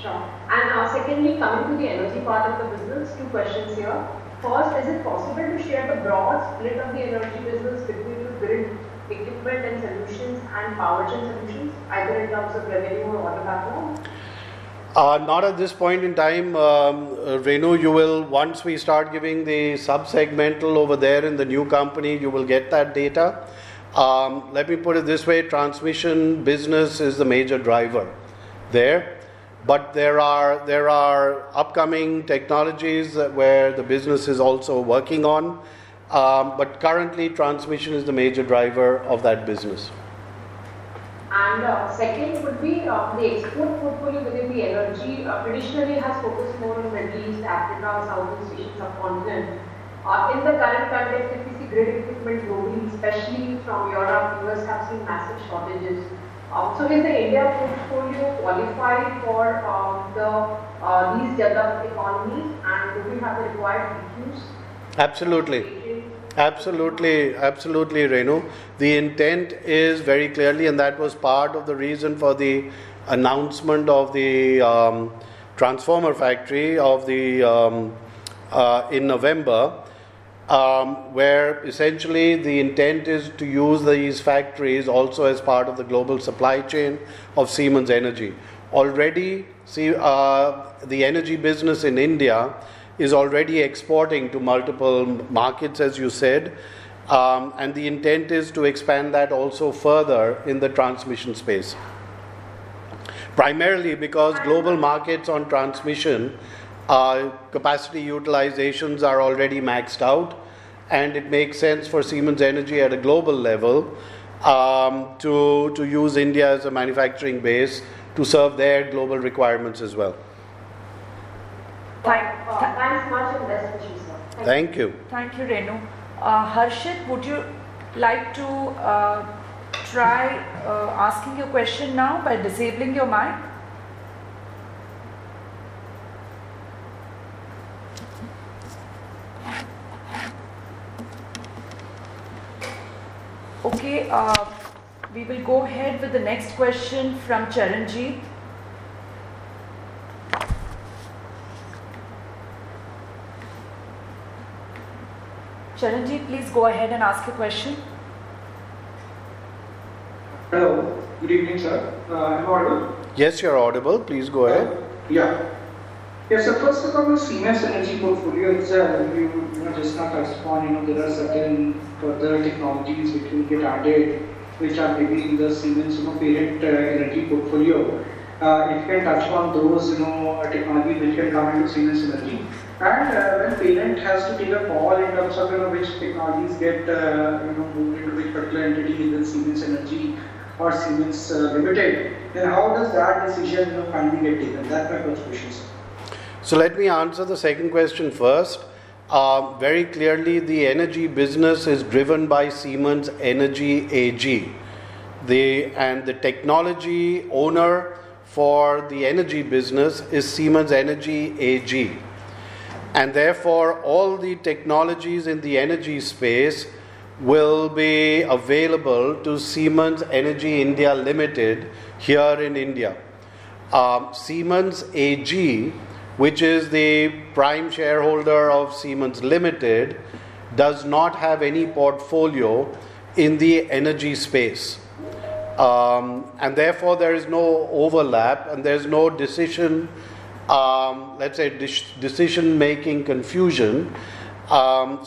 Sure. And secondly, coming to the energy part of the business, two questions here. First, is it possible to share the broad split of the energy business between your grid equipment and solutions and power chain solutions, either in terms of revenue or order backlog? Not at this point in time. Renu, you will, once we start giving the subsegmental over there in the new company, you will get that data. Let me put it this way. Transmission business is the major driver there. But there are upcoming technologies where the business is also working on. But currently, transmission is the major driver of that business. And second would be the export portfolio within the energy traditionally has focused more on Middle East, Africa, Southeast Asia, subcontinent. In the current context, if you see grid equipment globally, especially from Europe, you must have seen massive shortages. So is the India portfolio qualified for these target economies? And would you have the required EQs? Absolutely. Absolutely. Absolutely, Renu. The intent is very clearly, and that was part of the reason for the announcement of the transformer factory in November, where essentially the intent is to use these factories also as part of the global supply chain of Siemens Energy. Already, the energy business in India is already exporting to multiple markets, as you said. And the intent is to expand that also further in the transmission space, primarily because global markets on transmission capacity utilizations are already maxed out. And it makes sense for Siemens Energy at a global level to use India as a manufacturing base to serve their global requirements as well. Thanks much for the investment, Sunil. Thank you. Thank you, Renu. Harshit, would you like to try asking your question now by disabling your mic? Okay. We will go ahead with the next question from Charanjit. Charanjit, please go ahead and ask your question. Hello. Good evening, sir. Am I audible? Yes, you're audible. Please go ahead. Yeah. Yeah. So first of all, the Siemens Energy portfolio itself, if you just can touch upon, there are certain further technologies which will get added, which are maybe in the Siemens parent energy portfolio. If you can touch upon those technologies which can come into Siemens Energy. And when parent has to take a call in terms of which technologies get moved into which particular entity within Siemens Energy or Siemens Limited, then how does that decision finally get taken? That's my first question, sir. So let me answer the second question first. Very clearly, the energy business is driven by Siemens Energy AG. And the technology owner for the energy business is Siemens Energy AG. And therefore, all the technologies in the energy space will be available to Siemens Energy India Limited here in India. Siemens AG, which is the prime shareholder of Siemens Limited, does not have any portfolio in the energy space, and therefore, there is no overlap and there's no decision, let's say, decision-making confusion.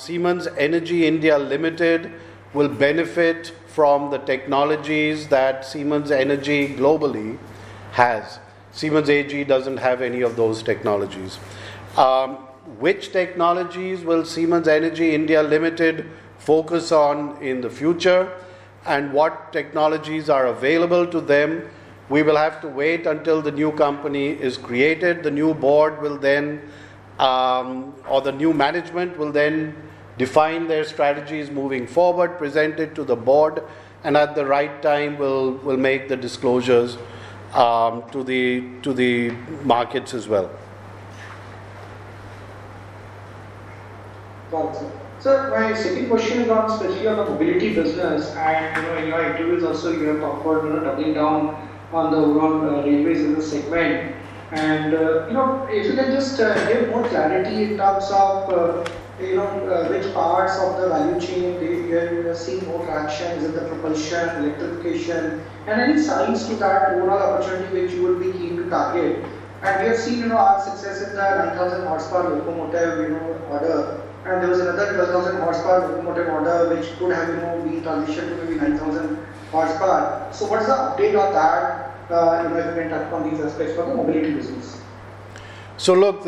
Siemens Energy India Limited will benefit from the technologies that Siemens Energy globally has. Siemens AG doesn't have any of those technologies. Which technologies will Siemens Energy India Limited focus on in the future and what technologies are available to them? We will have to wait until the new company is created. The new board will then or the new management will then define their strategies moving forward, present it to the board, and at the right time, will make the disclosures to the markets as well. Got it, so my second question in terms specifically on the Mobility business. In your interviews also, you have talked about doubling down on the overall railways in this segment. If you can just give more clarity in terms of which parts of the value chain where you have seen more traction, is it the propulsion, electrification, and any signs to that overall opportunity which you would be keen to target? We have seen our success in the 9,000 horsepower locomotive order. There was another 12,000 horsepower locomotive order which could have been transitioned to maybe 9,000 horsepower. What is the update on that if you can touch upon these aspects for the Mobility business? Look,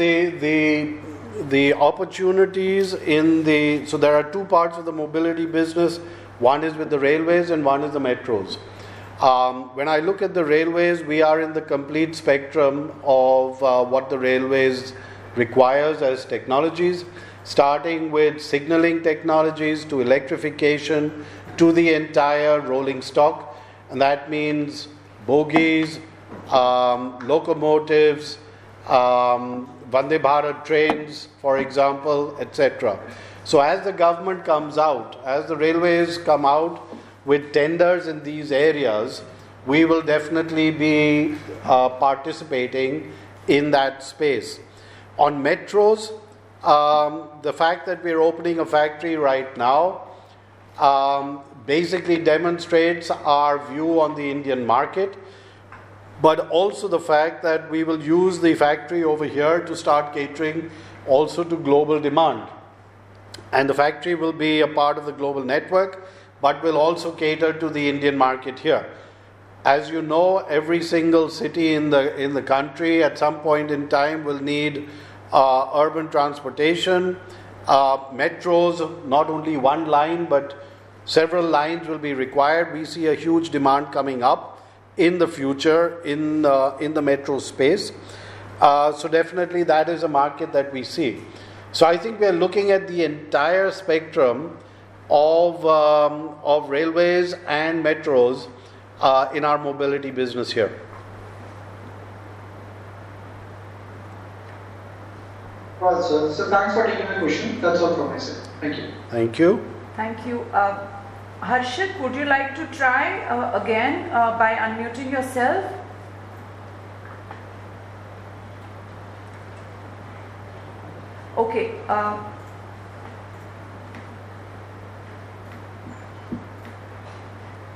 the opportunities. So there are two parts of the Mobility business. One is with the railways and one is the metros. When I look at the railways, we are in the complete spectrum of what the railways requires as technologies, starting with signaling technologies to electrification to the entire rolling stock, and that means bogies, locomotives, Vande Bharat trains, for example, etc., so as the government comes out, as the railways come out with tenders in these areas, we will definitely be participating in that space. On metros, the fact that we're opening a factory right now basically demonstrates our view on the Indian market, but also the fact that we will use the factory over here to start catering also to global demand, and the factory will be a part of the global network, but will also cater to the Indian market here. As you know, every single city in the country at some point in time will need urban transportation. Metros, not only one line, but several lines will be required. We see a huge demand coming up in the future in the metro space. So definitely, that is a market that we see. So I think we are looking at the entire spectrum of railways and metros in our Mobility business here. Got it. So thanks for taking my question. That's all from my side. Thank you. Thank you. Thank you. Harshit, would you like to try again by unmuting yourself? Okay.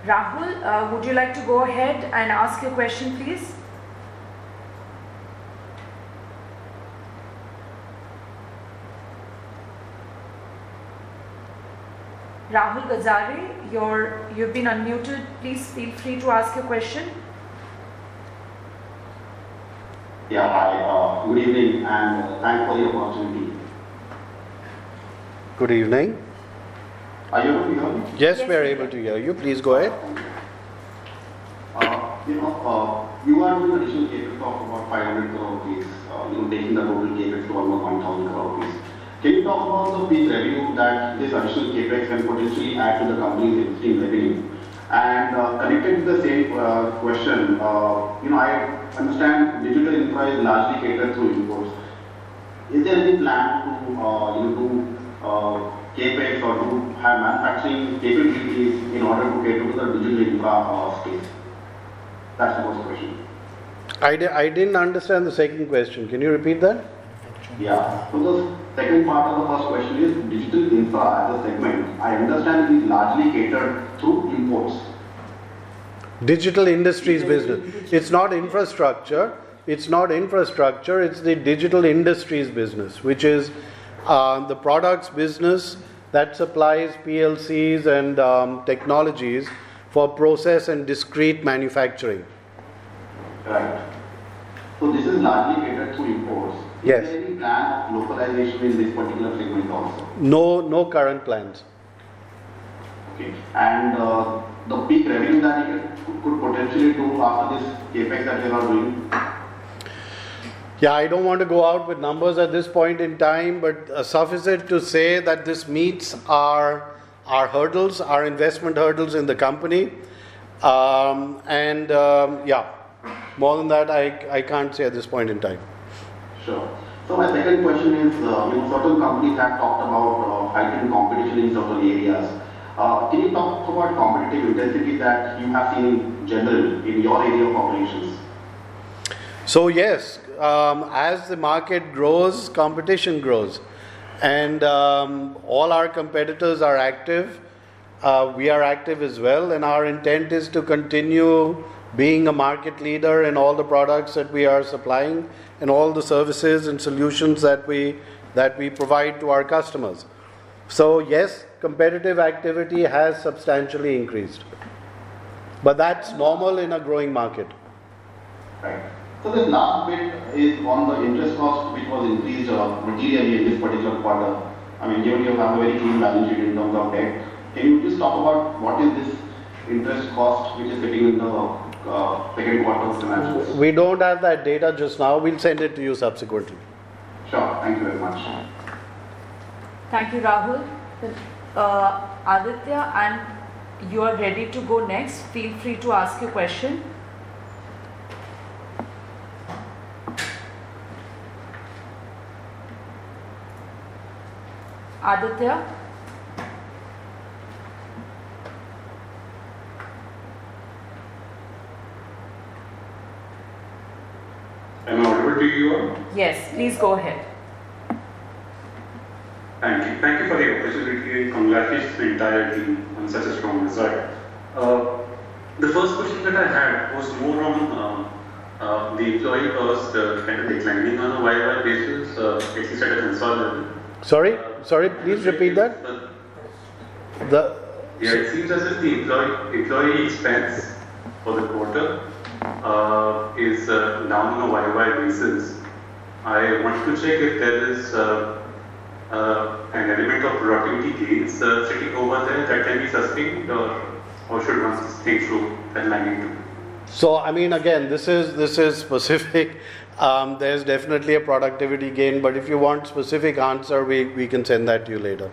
Rahul, would you like to go ahead and ask your question, please? Rahul Gajare, you've been unmuted. Please feel free to ask your question. Yeah. Hi. Good evening. And thank you for the opportunity. Good evening. Are you able to hear me? Yes, we are able to hear you. Please go ahead. You are doing additional CapEx of about 500 crore rupees, taking the total CapEx to almost 1,000 crore rupees. Can you talk about the revenue that this additional CapEx can potentially add to the company's existing revenue? And connected to the same question, I understand Digital Industries is largely catered through imports. Is there any plan to do CapEx or have manufacturing capabilities in order to cater to the Digital Industries space? That's the first question. I didn't understand the second question. Can you repeat that? Yeah. So the second part of the first question is Digital Industries as a segment. I understand it is largely catered through imports. Digital Industries business. It's not infrastructure. It's not infrastructure. It's the Digital Industries business, which is the products business that supplies PLCs and technologies for process and discrete manufacturing. Correct. So this is largely catered through imports. Is there any plan of localization in this particular segment also? No current plans. Okay. And the peak revenue that you could potentially do after this CapEx that you are doing? Yeah. I don't want to go out with numbers at this point in time, but suffice it to say that this meets our hurdles, our investment hurdles in the company. And yeah, more than that, I can't say at this point in time. Sure. So my second question is, certain companies have talked about heightened competition in certain areas. Can you talk about competitive intensity that you have seen in general in your area of operations? So yes. As the market grows, competition grows. And all our competitors are active. We are active as well. Our intent is to continue being a market leader in all the products that we are supplying and all the services and solutions that we provide to our customers. So yes, competitive activity has substantially increased. But that's normal in a growing market. Right. So this last bit is on the interest cost, which was increased materially in this particular quarter. I mean, given you have a very clean balance sheet in terms of debt, can you just talk about what is this interest cost which is hitting in the second quarter of financials? We don't have that data just now. We'll send it to you subsequently. Sure. Thank you very much. Thank you, Rahul. Aditya, you are ready to go next. Feel free to ask your question. Aditya. Am I audible to you all? Yes. Please go ahead. Thank you. Thank you for the opportunity and congratulations to the entire team on such a strong result. The first question that I had was more on the employee cost kind of declining on a Y-o-Y basis, at least at a consolidated. Sorry. Sorry. Please repeat that. Yeah. It seems as if the employee expense for the quarter is down on a Y-o-Y basis. I wanted to check if there is an element of productivity gains sitting over there that can be sustained, or should one think through that line into it? So I mean, again, this is specific. There's definitely a productivity gain. But if you want specific answer, we can send that to you later.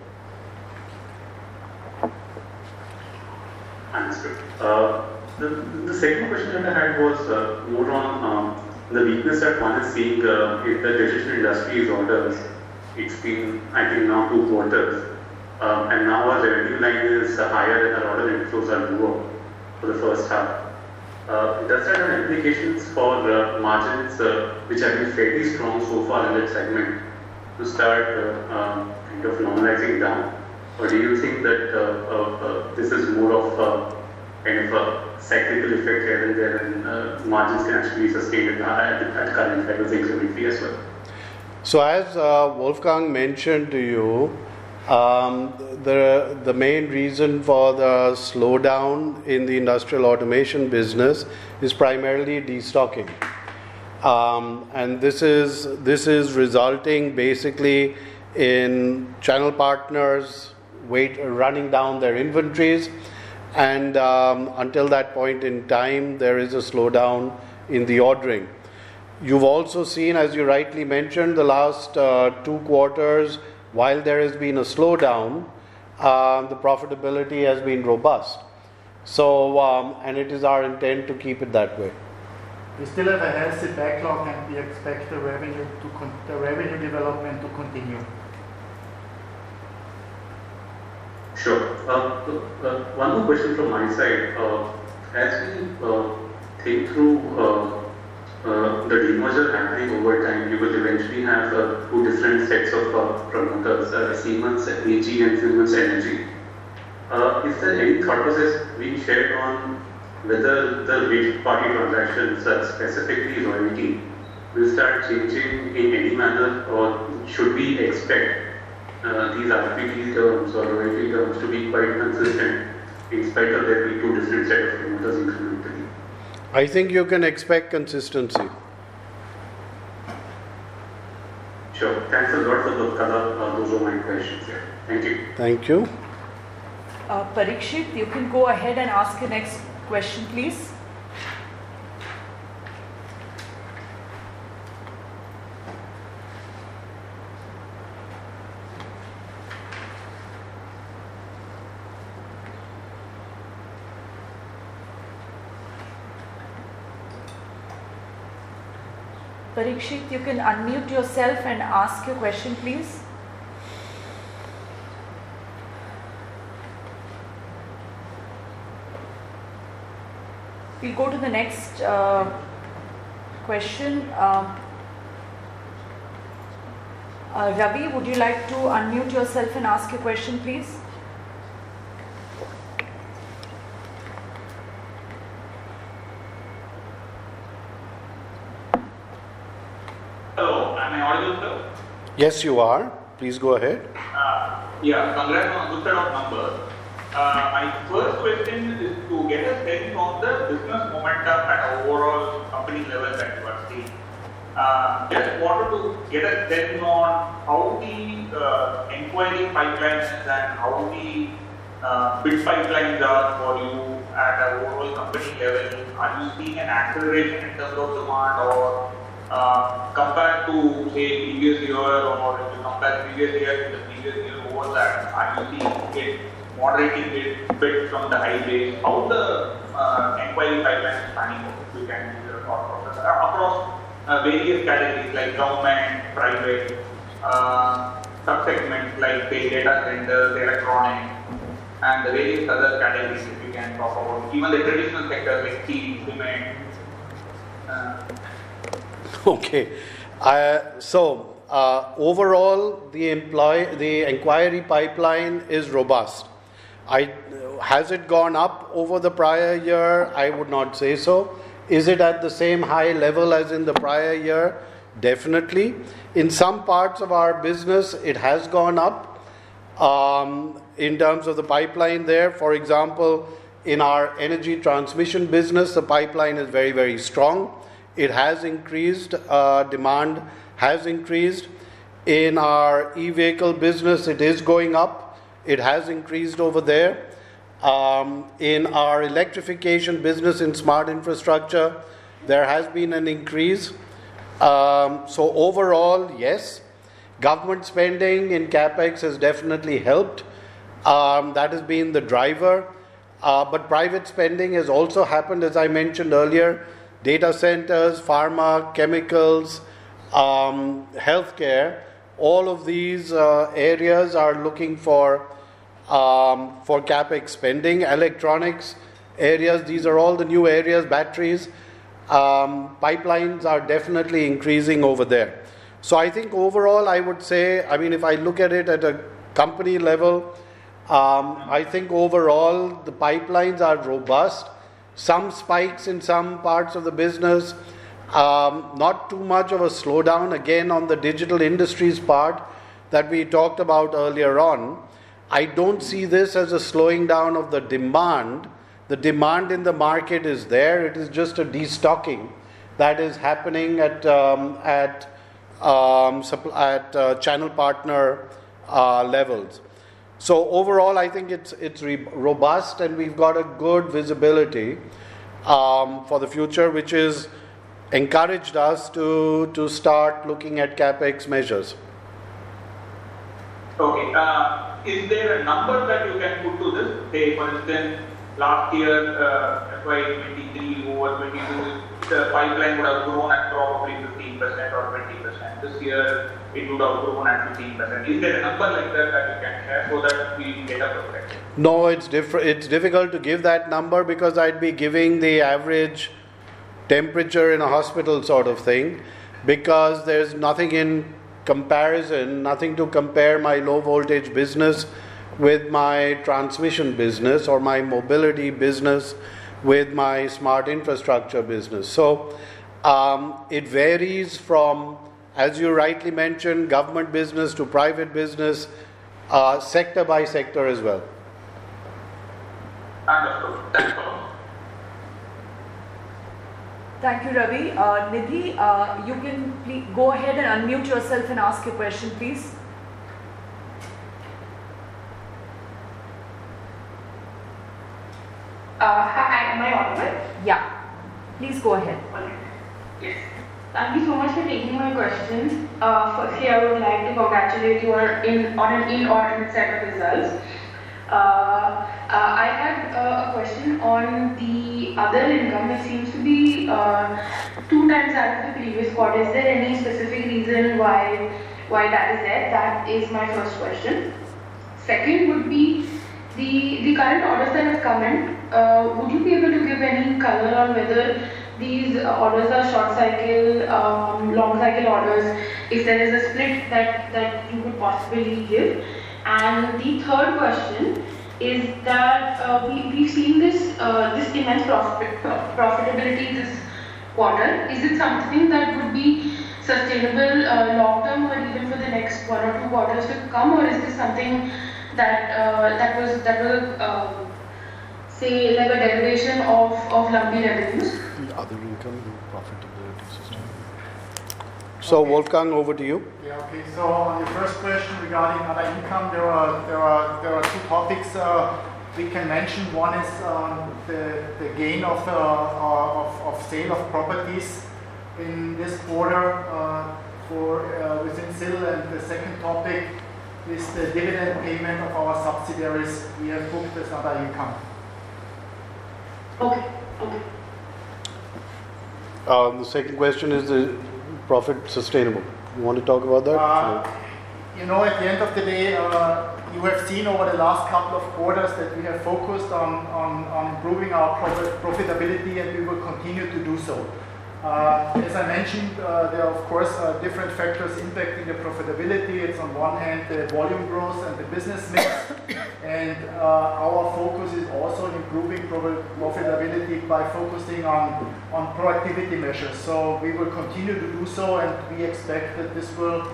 Thanks. The second question that I had was more on the weakness that one is seeing in the Digital Industries orders. It's been, I think, now two quarters. And now our revenue line is higher and our order inflows are lower for the first half. Does that have implications for margins, which have been fairly strong so far in that segment, to start kind of normalizing down? Or do you think that this is more of kind of a cyclical effect here and there and margins can actually be sustained at current levels incrementally as well? So as Wolfgang mentioned to you, the main reason for the slowdown in the industrial automation business is primarily destocking. And this is resulting basically in channel partners running down their inventories. And until that point in time, there is a slowdown in the ordering. You've also seen, as you rightly mentioned, the last two quarters, while there has been a slowdown, the profitability has been robust. And it is our intent to keep it that way. You still have a healthy backlog and we expect the revenue development to continue. Sure. One more question from my side. As we think through the demerger happening over time, you will eventually have two different sets of promoters, Siemens AG and Siemens Energy. Is there any thought process being shared on whether the third-party transactions, specifically royalty, will start changing in any manner, or should we expect these RPT terms or royalty terms to be quite consistent in spite of there being two different sets of promoters incrementally? I think you can expect consistency. Sure. Thanks a lot, good color. Those were my questions. Thank you. Thank you. Parikshit, you can go ahead and ask your next question, please. Parikshit, you can unmute yourself and ask your question, please. We'll go to the next question. Ravi, would you like to unmute yourself and ask your question, please? Hello. Am I audible too? Yes, you are. Please go ahead. Yeah. Congrats on a good set of numbers. My first question is to get a sense on the business momentum at an overall company level that you are seeing. Just wanted to get a sense on how the inquiry pipeline is and how the bid pipelines are for you at an overall company level. Are you seeing an acceleration in terms of demand or compared to, say, previous year or compared previous year to the previous year over that? Are you seeing it moderating a bit from the high base? How the inquiry pipeline is running over? You can give your thought process across various categories like government, private, subsegments like data centers, electronics, and the various other categories that you can talk about, even the traditional sectors like steel, cement. Okay. So overall, the inquiry pipeline is robust. Has it gone up over the prior year? I would not say so. Is it at the same high level as in the prior year? Definitely. In some parts of our business, it has gone up in terms of the pipeline there. For example, in our Energy Transmission business, the pipeline is very, very strong. It has increased. Demand has increased. In our e-vehicle business, it is going up. It has increased over there. In our electrification business in smart infrastructure, there has been an increase. So overall, yes. Government spending in CapEx has definitely helped. That has been the driver. But private spending has also happened, as I mentioned earlier. Data centers, pharma, chemicals, healthcare, all of these areas are looking for CapEx spending. Electronics areas, these are all the new areas, batteries. Pipelines are definitely increasing over there. I think overall, I would say, I mean, if I look at it at a company level, I think overall, the pipelines are robust. Some spikes in some parts of the business, not too much of a slowdown. Again, on the Digital Industries part that we talked about earlier on, I don't see this as a slowing down of the demand. The demand in the market is there. It is just a destocking that is happening at channel partner levels. So overall, I think it's robust, and we've got a good visibility for the future, which has encouraged us to start looking at CapEx measures. Okay. Is there a number that you can put to this? Say, for instance, last year, FY 2023, you were 22, the pipeline would have grown at probably 15% or 20%. This year, it would have grown at 15%. Is there a number like that that you can share so that we can get a perspective? No, it's difficult to give that number because I'd be giving the average temperature in a hospital sort of thing because there's nothing in comparison, nothing to compare my low-voltage business with my transmission business or my Mobility business with my smart infrastructure business. So it varies from, as you rightly mentioned, government business to private business, sector by sector as well. Thank you, Ravi. Nidhi, you can go ahead and unmute yourself and ask your question, please. Is there any specific reason why that is there? That is my first question. Second would be the current orders that have come in. Would you be able to give any color on whether these orders are short-cycle, long-cycle orders, if there is a split that you could possibly give? And the third question is that we've seen this immense profitability this quarter. Is it something that would be sustainable long-term for even the next one or two quarters to come, or is this something that was, say, like a derivation of lumpy revenues? Other income in profitability sustainability? So Wolfgang, over to you. Yeah. Okay. So on your first question regarding other income, there are two topics we can mention. One is the gain of sale of properties in this quarter within SIL. And the second topic is the dividend payment of our subsidiaries. We have booked as other income. Okay. Okay. The second question is the profit sustainable? You want to talk about that? At the end of the day, you have seen over the last couple of quarters that we have focused on improving our profitability, and we will continue to do so. As I mentioned, there are, of course, different factors impacting the profitability. It's, on one hand, the volume growth and the business mix. And our focus is also on improving profitability by focusing on productivity measures. So we will continue to do so, and we expect that this will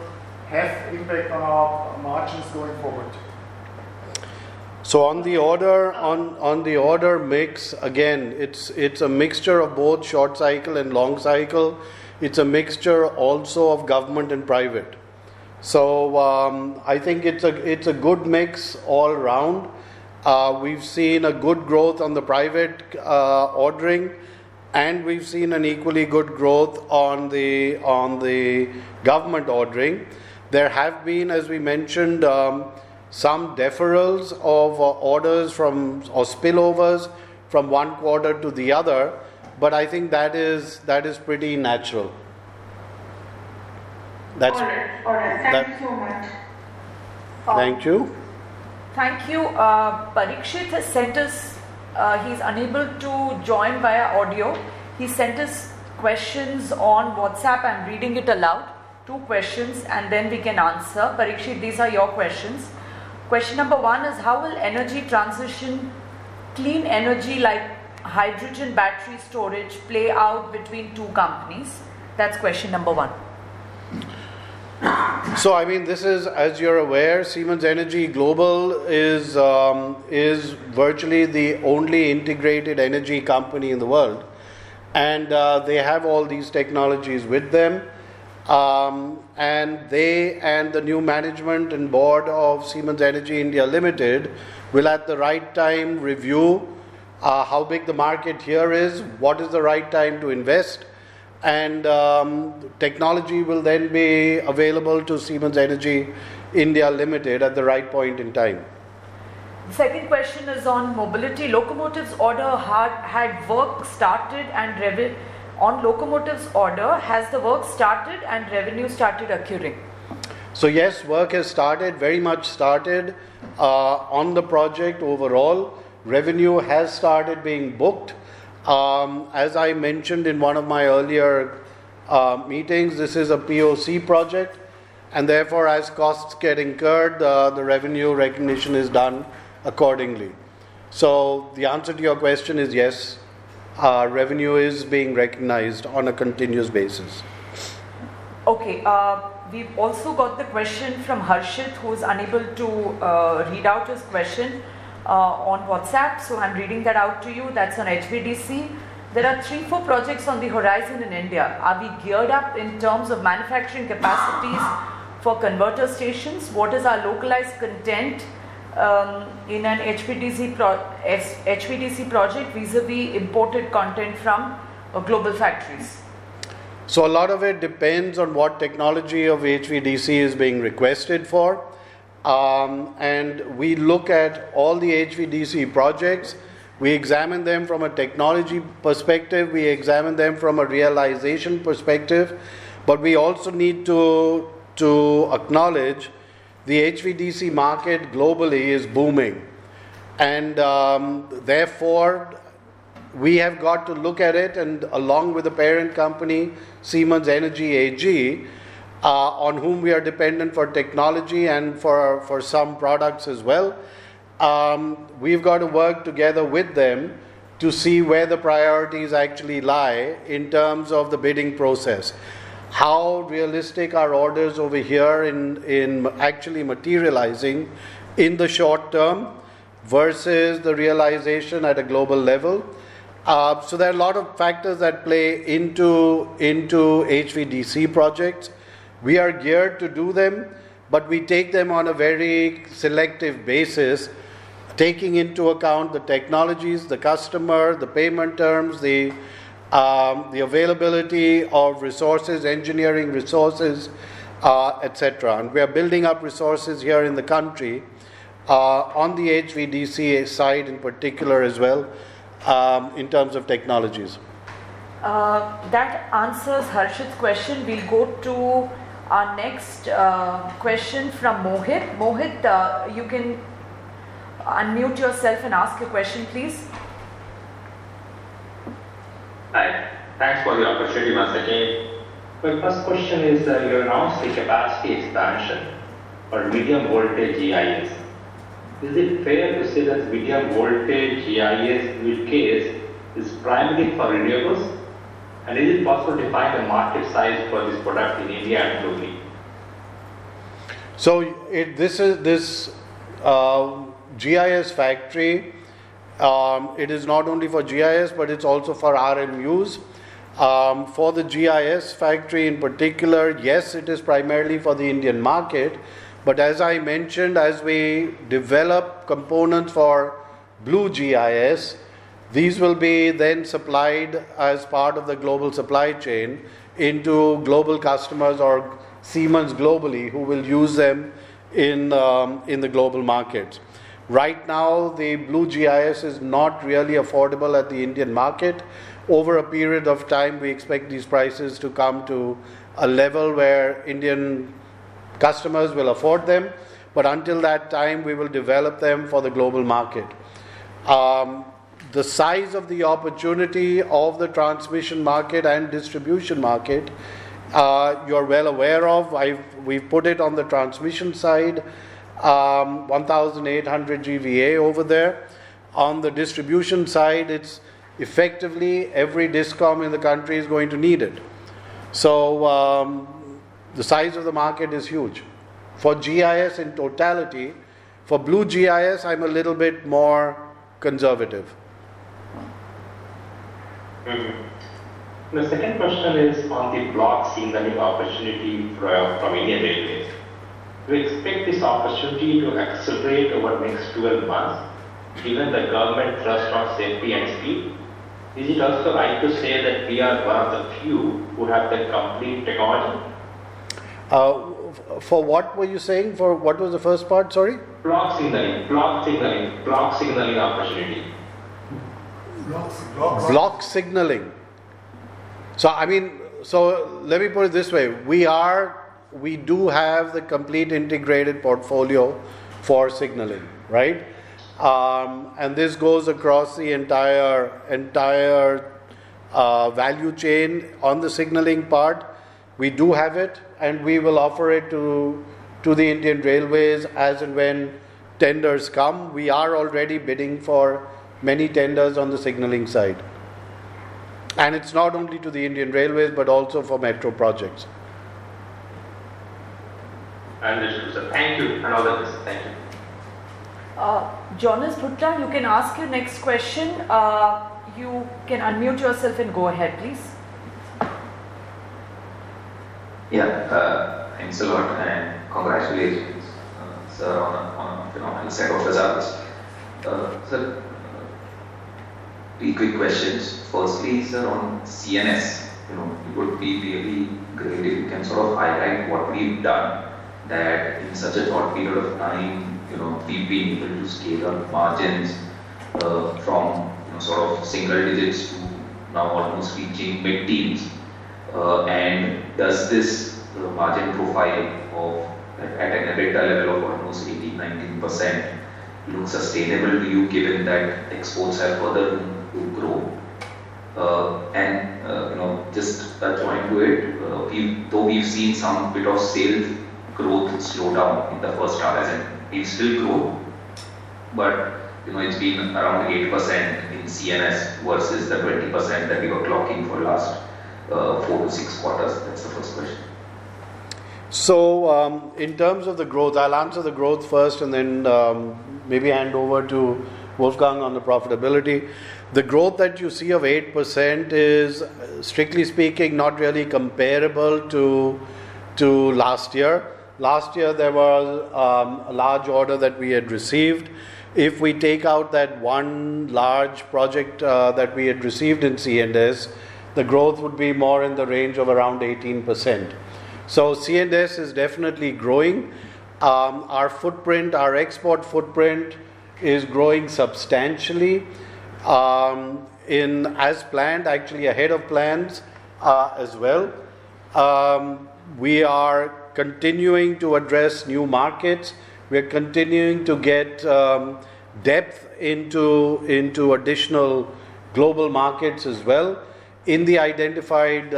have impact on our margins going forward. So on the order mix, again, it's a mixture of both short-cycle and long-cycle. It's a mixture also of government and private. So I think it's a good mix all round. We've seen a good growth on the private ordering, and we've seen an equally good growth on the government ordering. There have been, as we mentioned, some deferrals of orders or spillovers from one quarter to the other, but I think that is pretty natural. That's it. All right. All right. Thank you so much. Thank you. Thank you. Parikshit sent us. He's unable to join via audio. He sent us questions on WhatsApp. I'm reading it aloud. Two questions, and then we can answer. Parikshit, these are your questions. Question number one is, how will energy transition, clean energy like hydrogen battery storage, play out between two companies? That's question number one. So I mean, this is, as you're aware, Siemens Energy Global is virtually the only integrated energy company in the world. And they have all these technologies with them. The new management and board of Siemens Energy India Limited will, at the right time, review how big the market here is, what is the right time to invest. Technology will then be available to Siemens Energy India Limited at the right point in time. The second question is on mobility. On locomotives order, has the work started and revenue started occurring? Yes, work has started, very much started on the project overall. Revenue has started being booked. As I mentioned in one of my earlier meetings, this is a POC project. Therefore, as costs get incurred, the revenue recognition is done accordingly. The answer to your question is yes. Revenue is being recognized on a continuous basis. Okay. We've also got the question from Harshit, who is unable to read out his question on WhatsApp. So I'm reading that out to you. That's on HVDC. There are three, four projects on the horizon in India. Are we geared up in terms of manufacturing capacities for converter stations? What is our localized content in an HVDC project vis-à-vis imported content from global factories? So a lot of it depends on what technology of HVDC is being requested for. And we look at all the HVDC projects. We examine them from a technology perspective. We examine them from a realization perspective. But we also need to acknowledge the HVDC market globally is booming. And therefore, we have got to look at it. And along with the parent company, Siemens Energy AG, on whom we are dependent for technology and for some products as well, we've got to work together with them to see where the priorities actually lie in terms of the bidding process. How realistic are orders over here in actually materializing in the short term versus the realization at a global level? So there are a lot of factors that play into HVDC projects. We are geared to do them, but we take them on a very selective basis, taking into account the technologies, the customer, the payment terms, the availability of resources, engineering resources, etc. And we are building up resources here in the country on the HVDC side in particular as well in terms of technologies. That answers Harshit's question. We'll go to our next question from Mohit. Mohit, you can unmute yourself and ask your question, please. Hi. Thanks for the opportunity once again. My first question is you announced the capacity expansion for medium-voltage GIS. Is it fair to say that medium-voltage GIS use case is primarily for renewables? Is it possible to find a market size for this product in India and globally? This GIS factory, it is not only for GIS, but it's also for RMUs. For the GIS factory in particular, yes, it is primarily for the Indian market. As I mentioned, as we develop components for Blue GIS, these will be then supplied as part of the global supply chain into global customers or Siemens globally who will use them in the global market. Right now, the Blue GIS is not really affordable at the Indian market. Over a period of time, we expect these prices to come to a level where Indian customers will afford them. Until that time, we will develop them for the global market. The size of the opportunity of the transmission market and distribution market, you're well aware of. We've put it on the transmission side, 1,800 GVA over there. On the distribution side, it's effectively every discom in the country is going to need it. So the size of the market is huge. For GIS in totality, for Blue GIS, I'm a little bit more conservative. The second question is on the block signaling seeing the new opportunity from Indian Railways. Do you expect this opportunity to accelerate over the next 12 months given the government thrust on safety and speed? Is it also right to say that we are one of the few who have the complete technology? For what were you saying? What was the first part, sorry? Block signaling. So I mean, so let me put it this way. We do have the complete integrated portfolio for signaling, right? And this goes across the entire value chain on the signaling part. We do have it, and we will offer it to the Indian Railways as and when tenders come. We are already bidding for many tenders on the signaling side. And it's not only to the Indian Railways but also for metro projects. And this was a thank you. Another question. Thank you. Jonas Bhutta, you can ask your next question. You can unmute yourself and go ahead, please. Yeah. Thanks a lot. And congratulations, sir, on a set of results. Sir, three quick questions. Firstly, sir, on C&S, it would be really great if you can sort of highlight what we've done that in such a short period of time, we've been able to scale up margins from sort of single digits to now almost reaching mid-teens. And does this margin profile of at a better level of almost 18%-19% look sustainable to you given that exports have further room to grow? And just add on to it, though we've seen a bit of sales growth slow down in the first half, as in we've still grown, but it's been around 8% in C&S versus the 20% that we were clocking for the last four to six quarters. That's the first question. So in terms of the growth, I'll answer the growth first and then maybe hand over to Wolfgang on the profitability. The growth that you see of 8% is, strictly speaking, not really comparable to last year. Last year, there was a large order that we had received. If we take out that one large project that we had received in C&S, the growth would be more in the range of around 18%. So C&S is definitely growing. Our export footprint is growing substantially as planned, actually ahead of plans as well. We are continuing to address new markets. We're continuing to get depth into additional global markets as well in the identified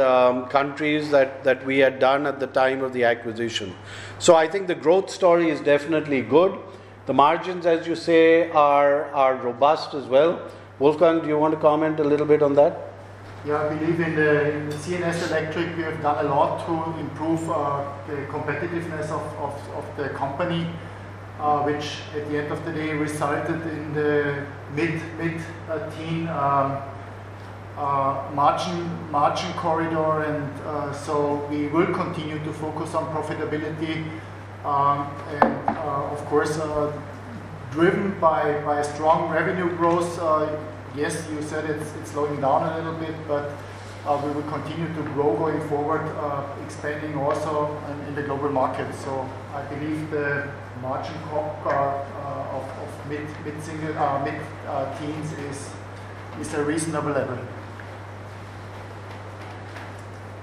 countries that we had done at the time of the acquisition. So I think the growth story is definitely good. The margins, as you say, are robust as well. Wolfgang, do you want to comment a little bit on that? Yeah. I believe in C&S Electric, we have done a lot to improve the competitiveness of the company, which at the end of the day resulted in the mid-teen margin corridor. And so we will continue to focus on profitability. And of course, driven by strong revenue growth, yes, you said it's slowing down a little bit, but we will continue to grow going forward, expanding also in the global market. So I believe the margin of mid-teens is a reasonable level.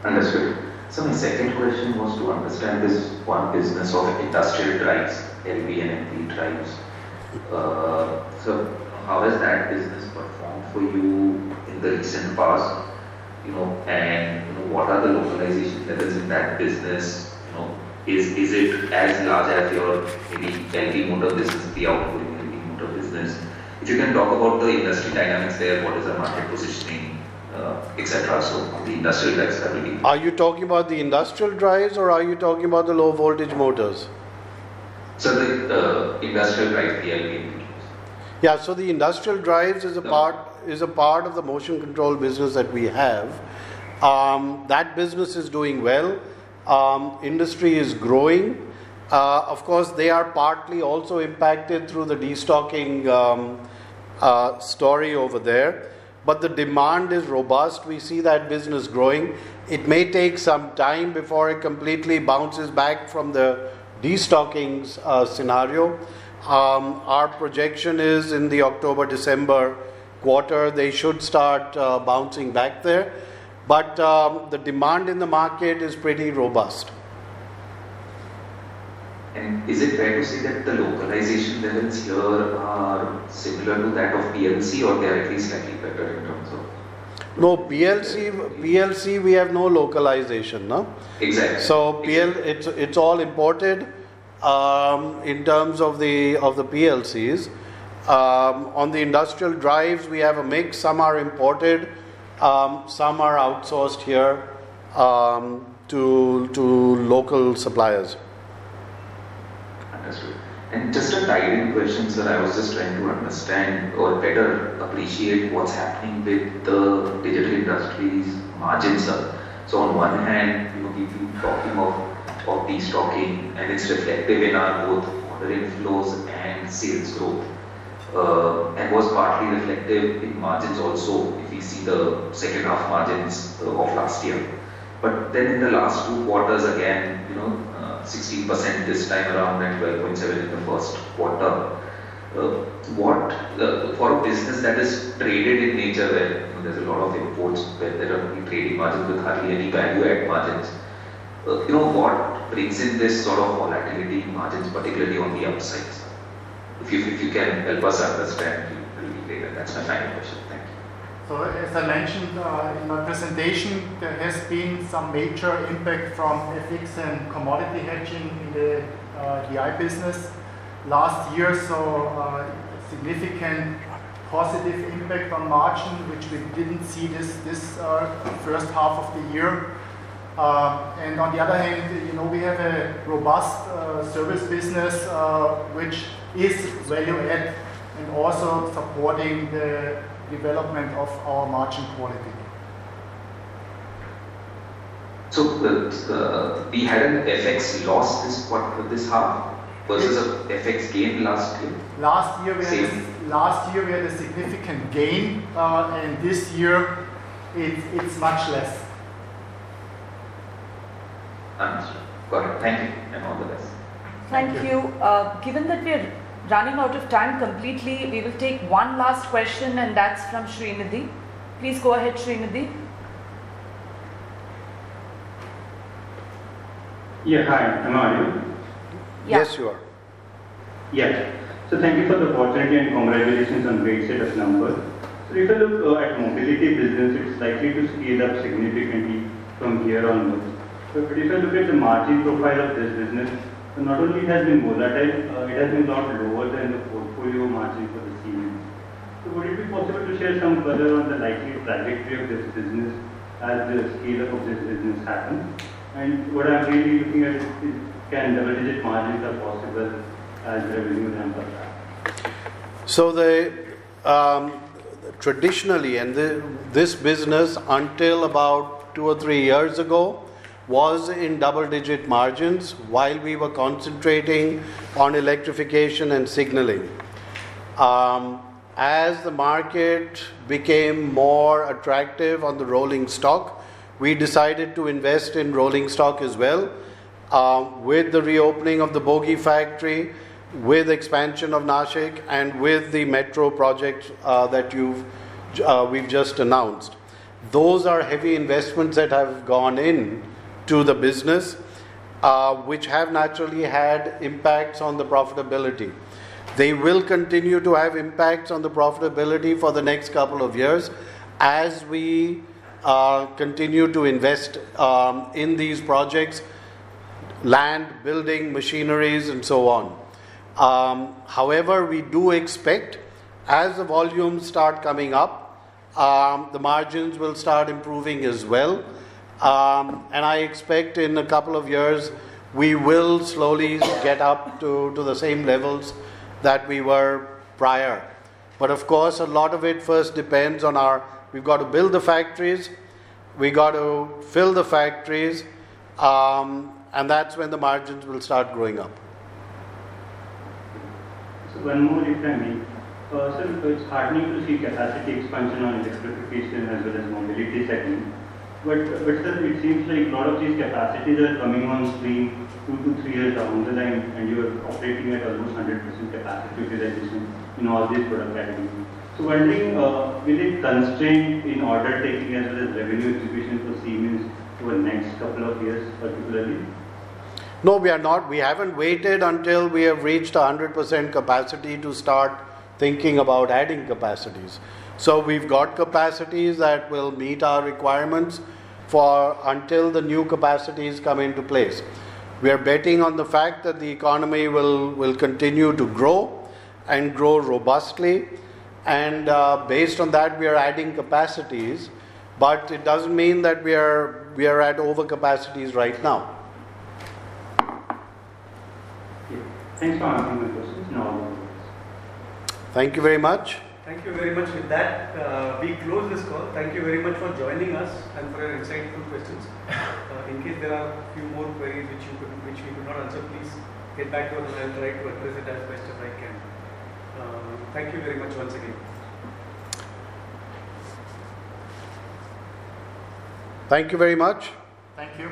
That's good. So my second question was to understand this one business of industrial drives, LV and MV drives. So how has that business performed for you in the recent past? And what are the localization levels in that business? Is it as large as your maybe LV motor business, the outgoing LV motor business? If you can talk about the industry dynamics there, what is the market positioning, etc.? So the industrial drives are really. Are you talking about the industrial drives, or are you talking about the low-voltage motors? So the industrial drives, the LV/MV drives. Yeah. So the industrial drives is a part of the motion control business that we have. That business is doing well. Industry is growing. Of course, they are partly also impacted through the destocking story over there. But the demand is robust. We see that business growing. It may take some time before it completely bounces back from the destocking scenario. Our projection is in the October-December quarter, they should start bouncing back there. But the demand in the market is pretty robust. And is it fair to say that the localization levels here are similar to that of PLC, or they are at least slightly better in terms of? No, PLC, we have no localization. Exactly. So it's all imported. In terms of the PLCs, on the industrial drives, we have a mix. Some are imported. Some are outsourced here to local suppliers. Understood. And just a tiny question, sir. I was just trying to understand or better appreciate what's happening with the Digital Industries' margins. So on one hand, we've been talking of destocking, and it's reflective in our both ordering flows and sales growth. And it was partly reflective in margins also if we see the second-half margins of last year. But then in the last two quarters, again, 16% this time around and 12.7% in the first quarter. For a business that is traded in nature where there's a lot of imports, where there are only trading margins with hardly any value-add margins, what brings in this sort of volatility in margins, particularly on the upsides? If you can help us understand, we'll be great. And that's my final question. Thank you. So as I mentioned in my presentation, there has been some major impact from FX and commodity hedging in the DI business last year. So significant positive impact on margin, which we didn't see this first half of the year. And on the other hand, we have a robust service business, which is value-add and also supporting the development of our margin quality. So we had an FX loss this half versus an FX gain last year? Last year, we had a significant gain. And this year, it's much less. Understood. Got it. Thank you. And all the best. Thank you. Given that we're running out of time completely, we will take one last question, and that's from Sreenidhi. Please go ahead, Sreenidhi. Yeah. Hi. Hello. Are you? Yes. Yes, you are. Yeah. So thank you for the opportunity and congratulations on great set of numbers. So if you look at Mobility business, it's likely to scale up significantly from here onwards. But if you look at the margin profile of this business, not only has it been volatile, it has been a lot lower than the portfolio margin for the C&S. So would it be possible to share some further on the likely trajectory of this business as the scale-up of this business happens? And what I'm really looking at is, can double-digit margins are possible as revenue ramp up? So traditionally, this business until about two or three years ago was in double-digit margins while we were concentrating on electrification and signaling. As the market became more attractive on the rolling stock, we decided to invest in rolling stock as well with the reopening of the bogie factory, with expansion of Nashik, and with the metro project that we've just announced. Those are heavy investments that have gone into the business, which have naturally had impacts on the profitability. They will continue to have impacts on the profitability for the next couple of years as we continue to invest in these projects: land, building, machineries, and so on. However, we do expect as the volumes start coming up, the margins will start improving as well. And I expect in a couple of years, we will slowly get up to the same levels that we were prior. But of course, a lot of it first depends on our—we've got to build the factories. We've got to fill the factories. And that's when the margins will start growing up. So one more if I may. Sir, it's heartening to see capacity expansion on electrification as well as mobility segment. But it seems like a lot of these capacities are coming on stream two to three years down the line, and you're operating at almost 100% capacity utilization in all these product categories. So wondering, will it constrain in order-taking as well as revenue execution for Siemens over the next couple of years, particularly? No, we are not. We haven't waited until we have reached 100% capacity to start thinking about adding capacities. So we've got capacities that will meet our requirements until the new capacities come into place. We are betting on the fact that the economy will continue to grow and grow robustly. And based on that, we are adding capacities. But it doesn't mean that we are at over capacity right now. Thank you. Thanks for answering my questions. Now, I'll walk away. Thank you very much. Thank you very much. With that, we close this call. Thank you very much for joining us and for your insightful questions. In case there are a few more queries which we could not answer, please get back to us, and I'll try to address it as best as I can. Thank you very much once again. Thank you very much. Thank you.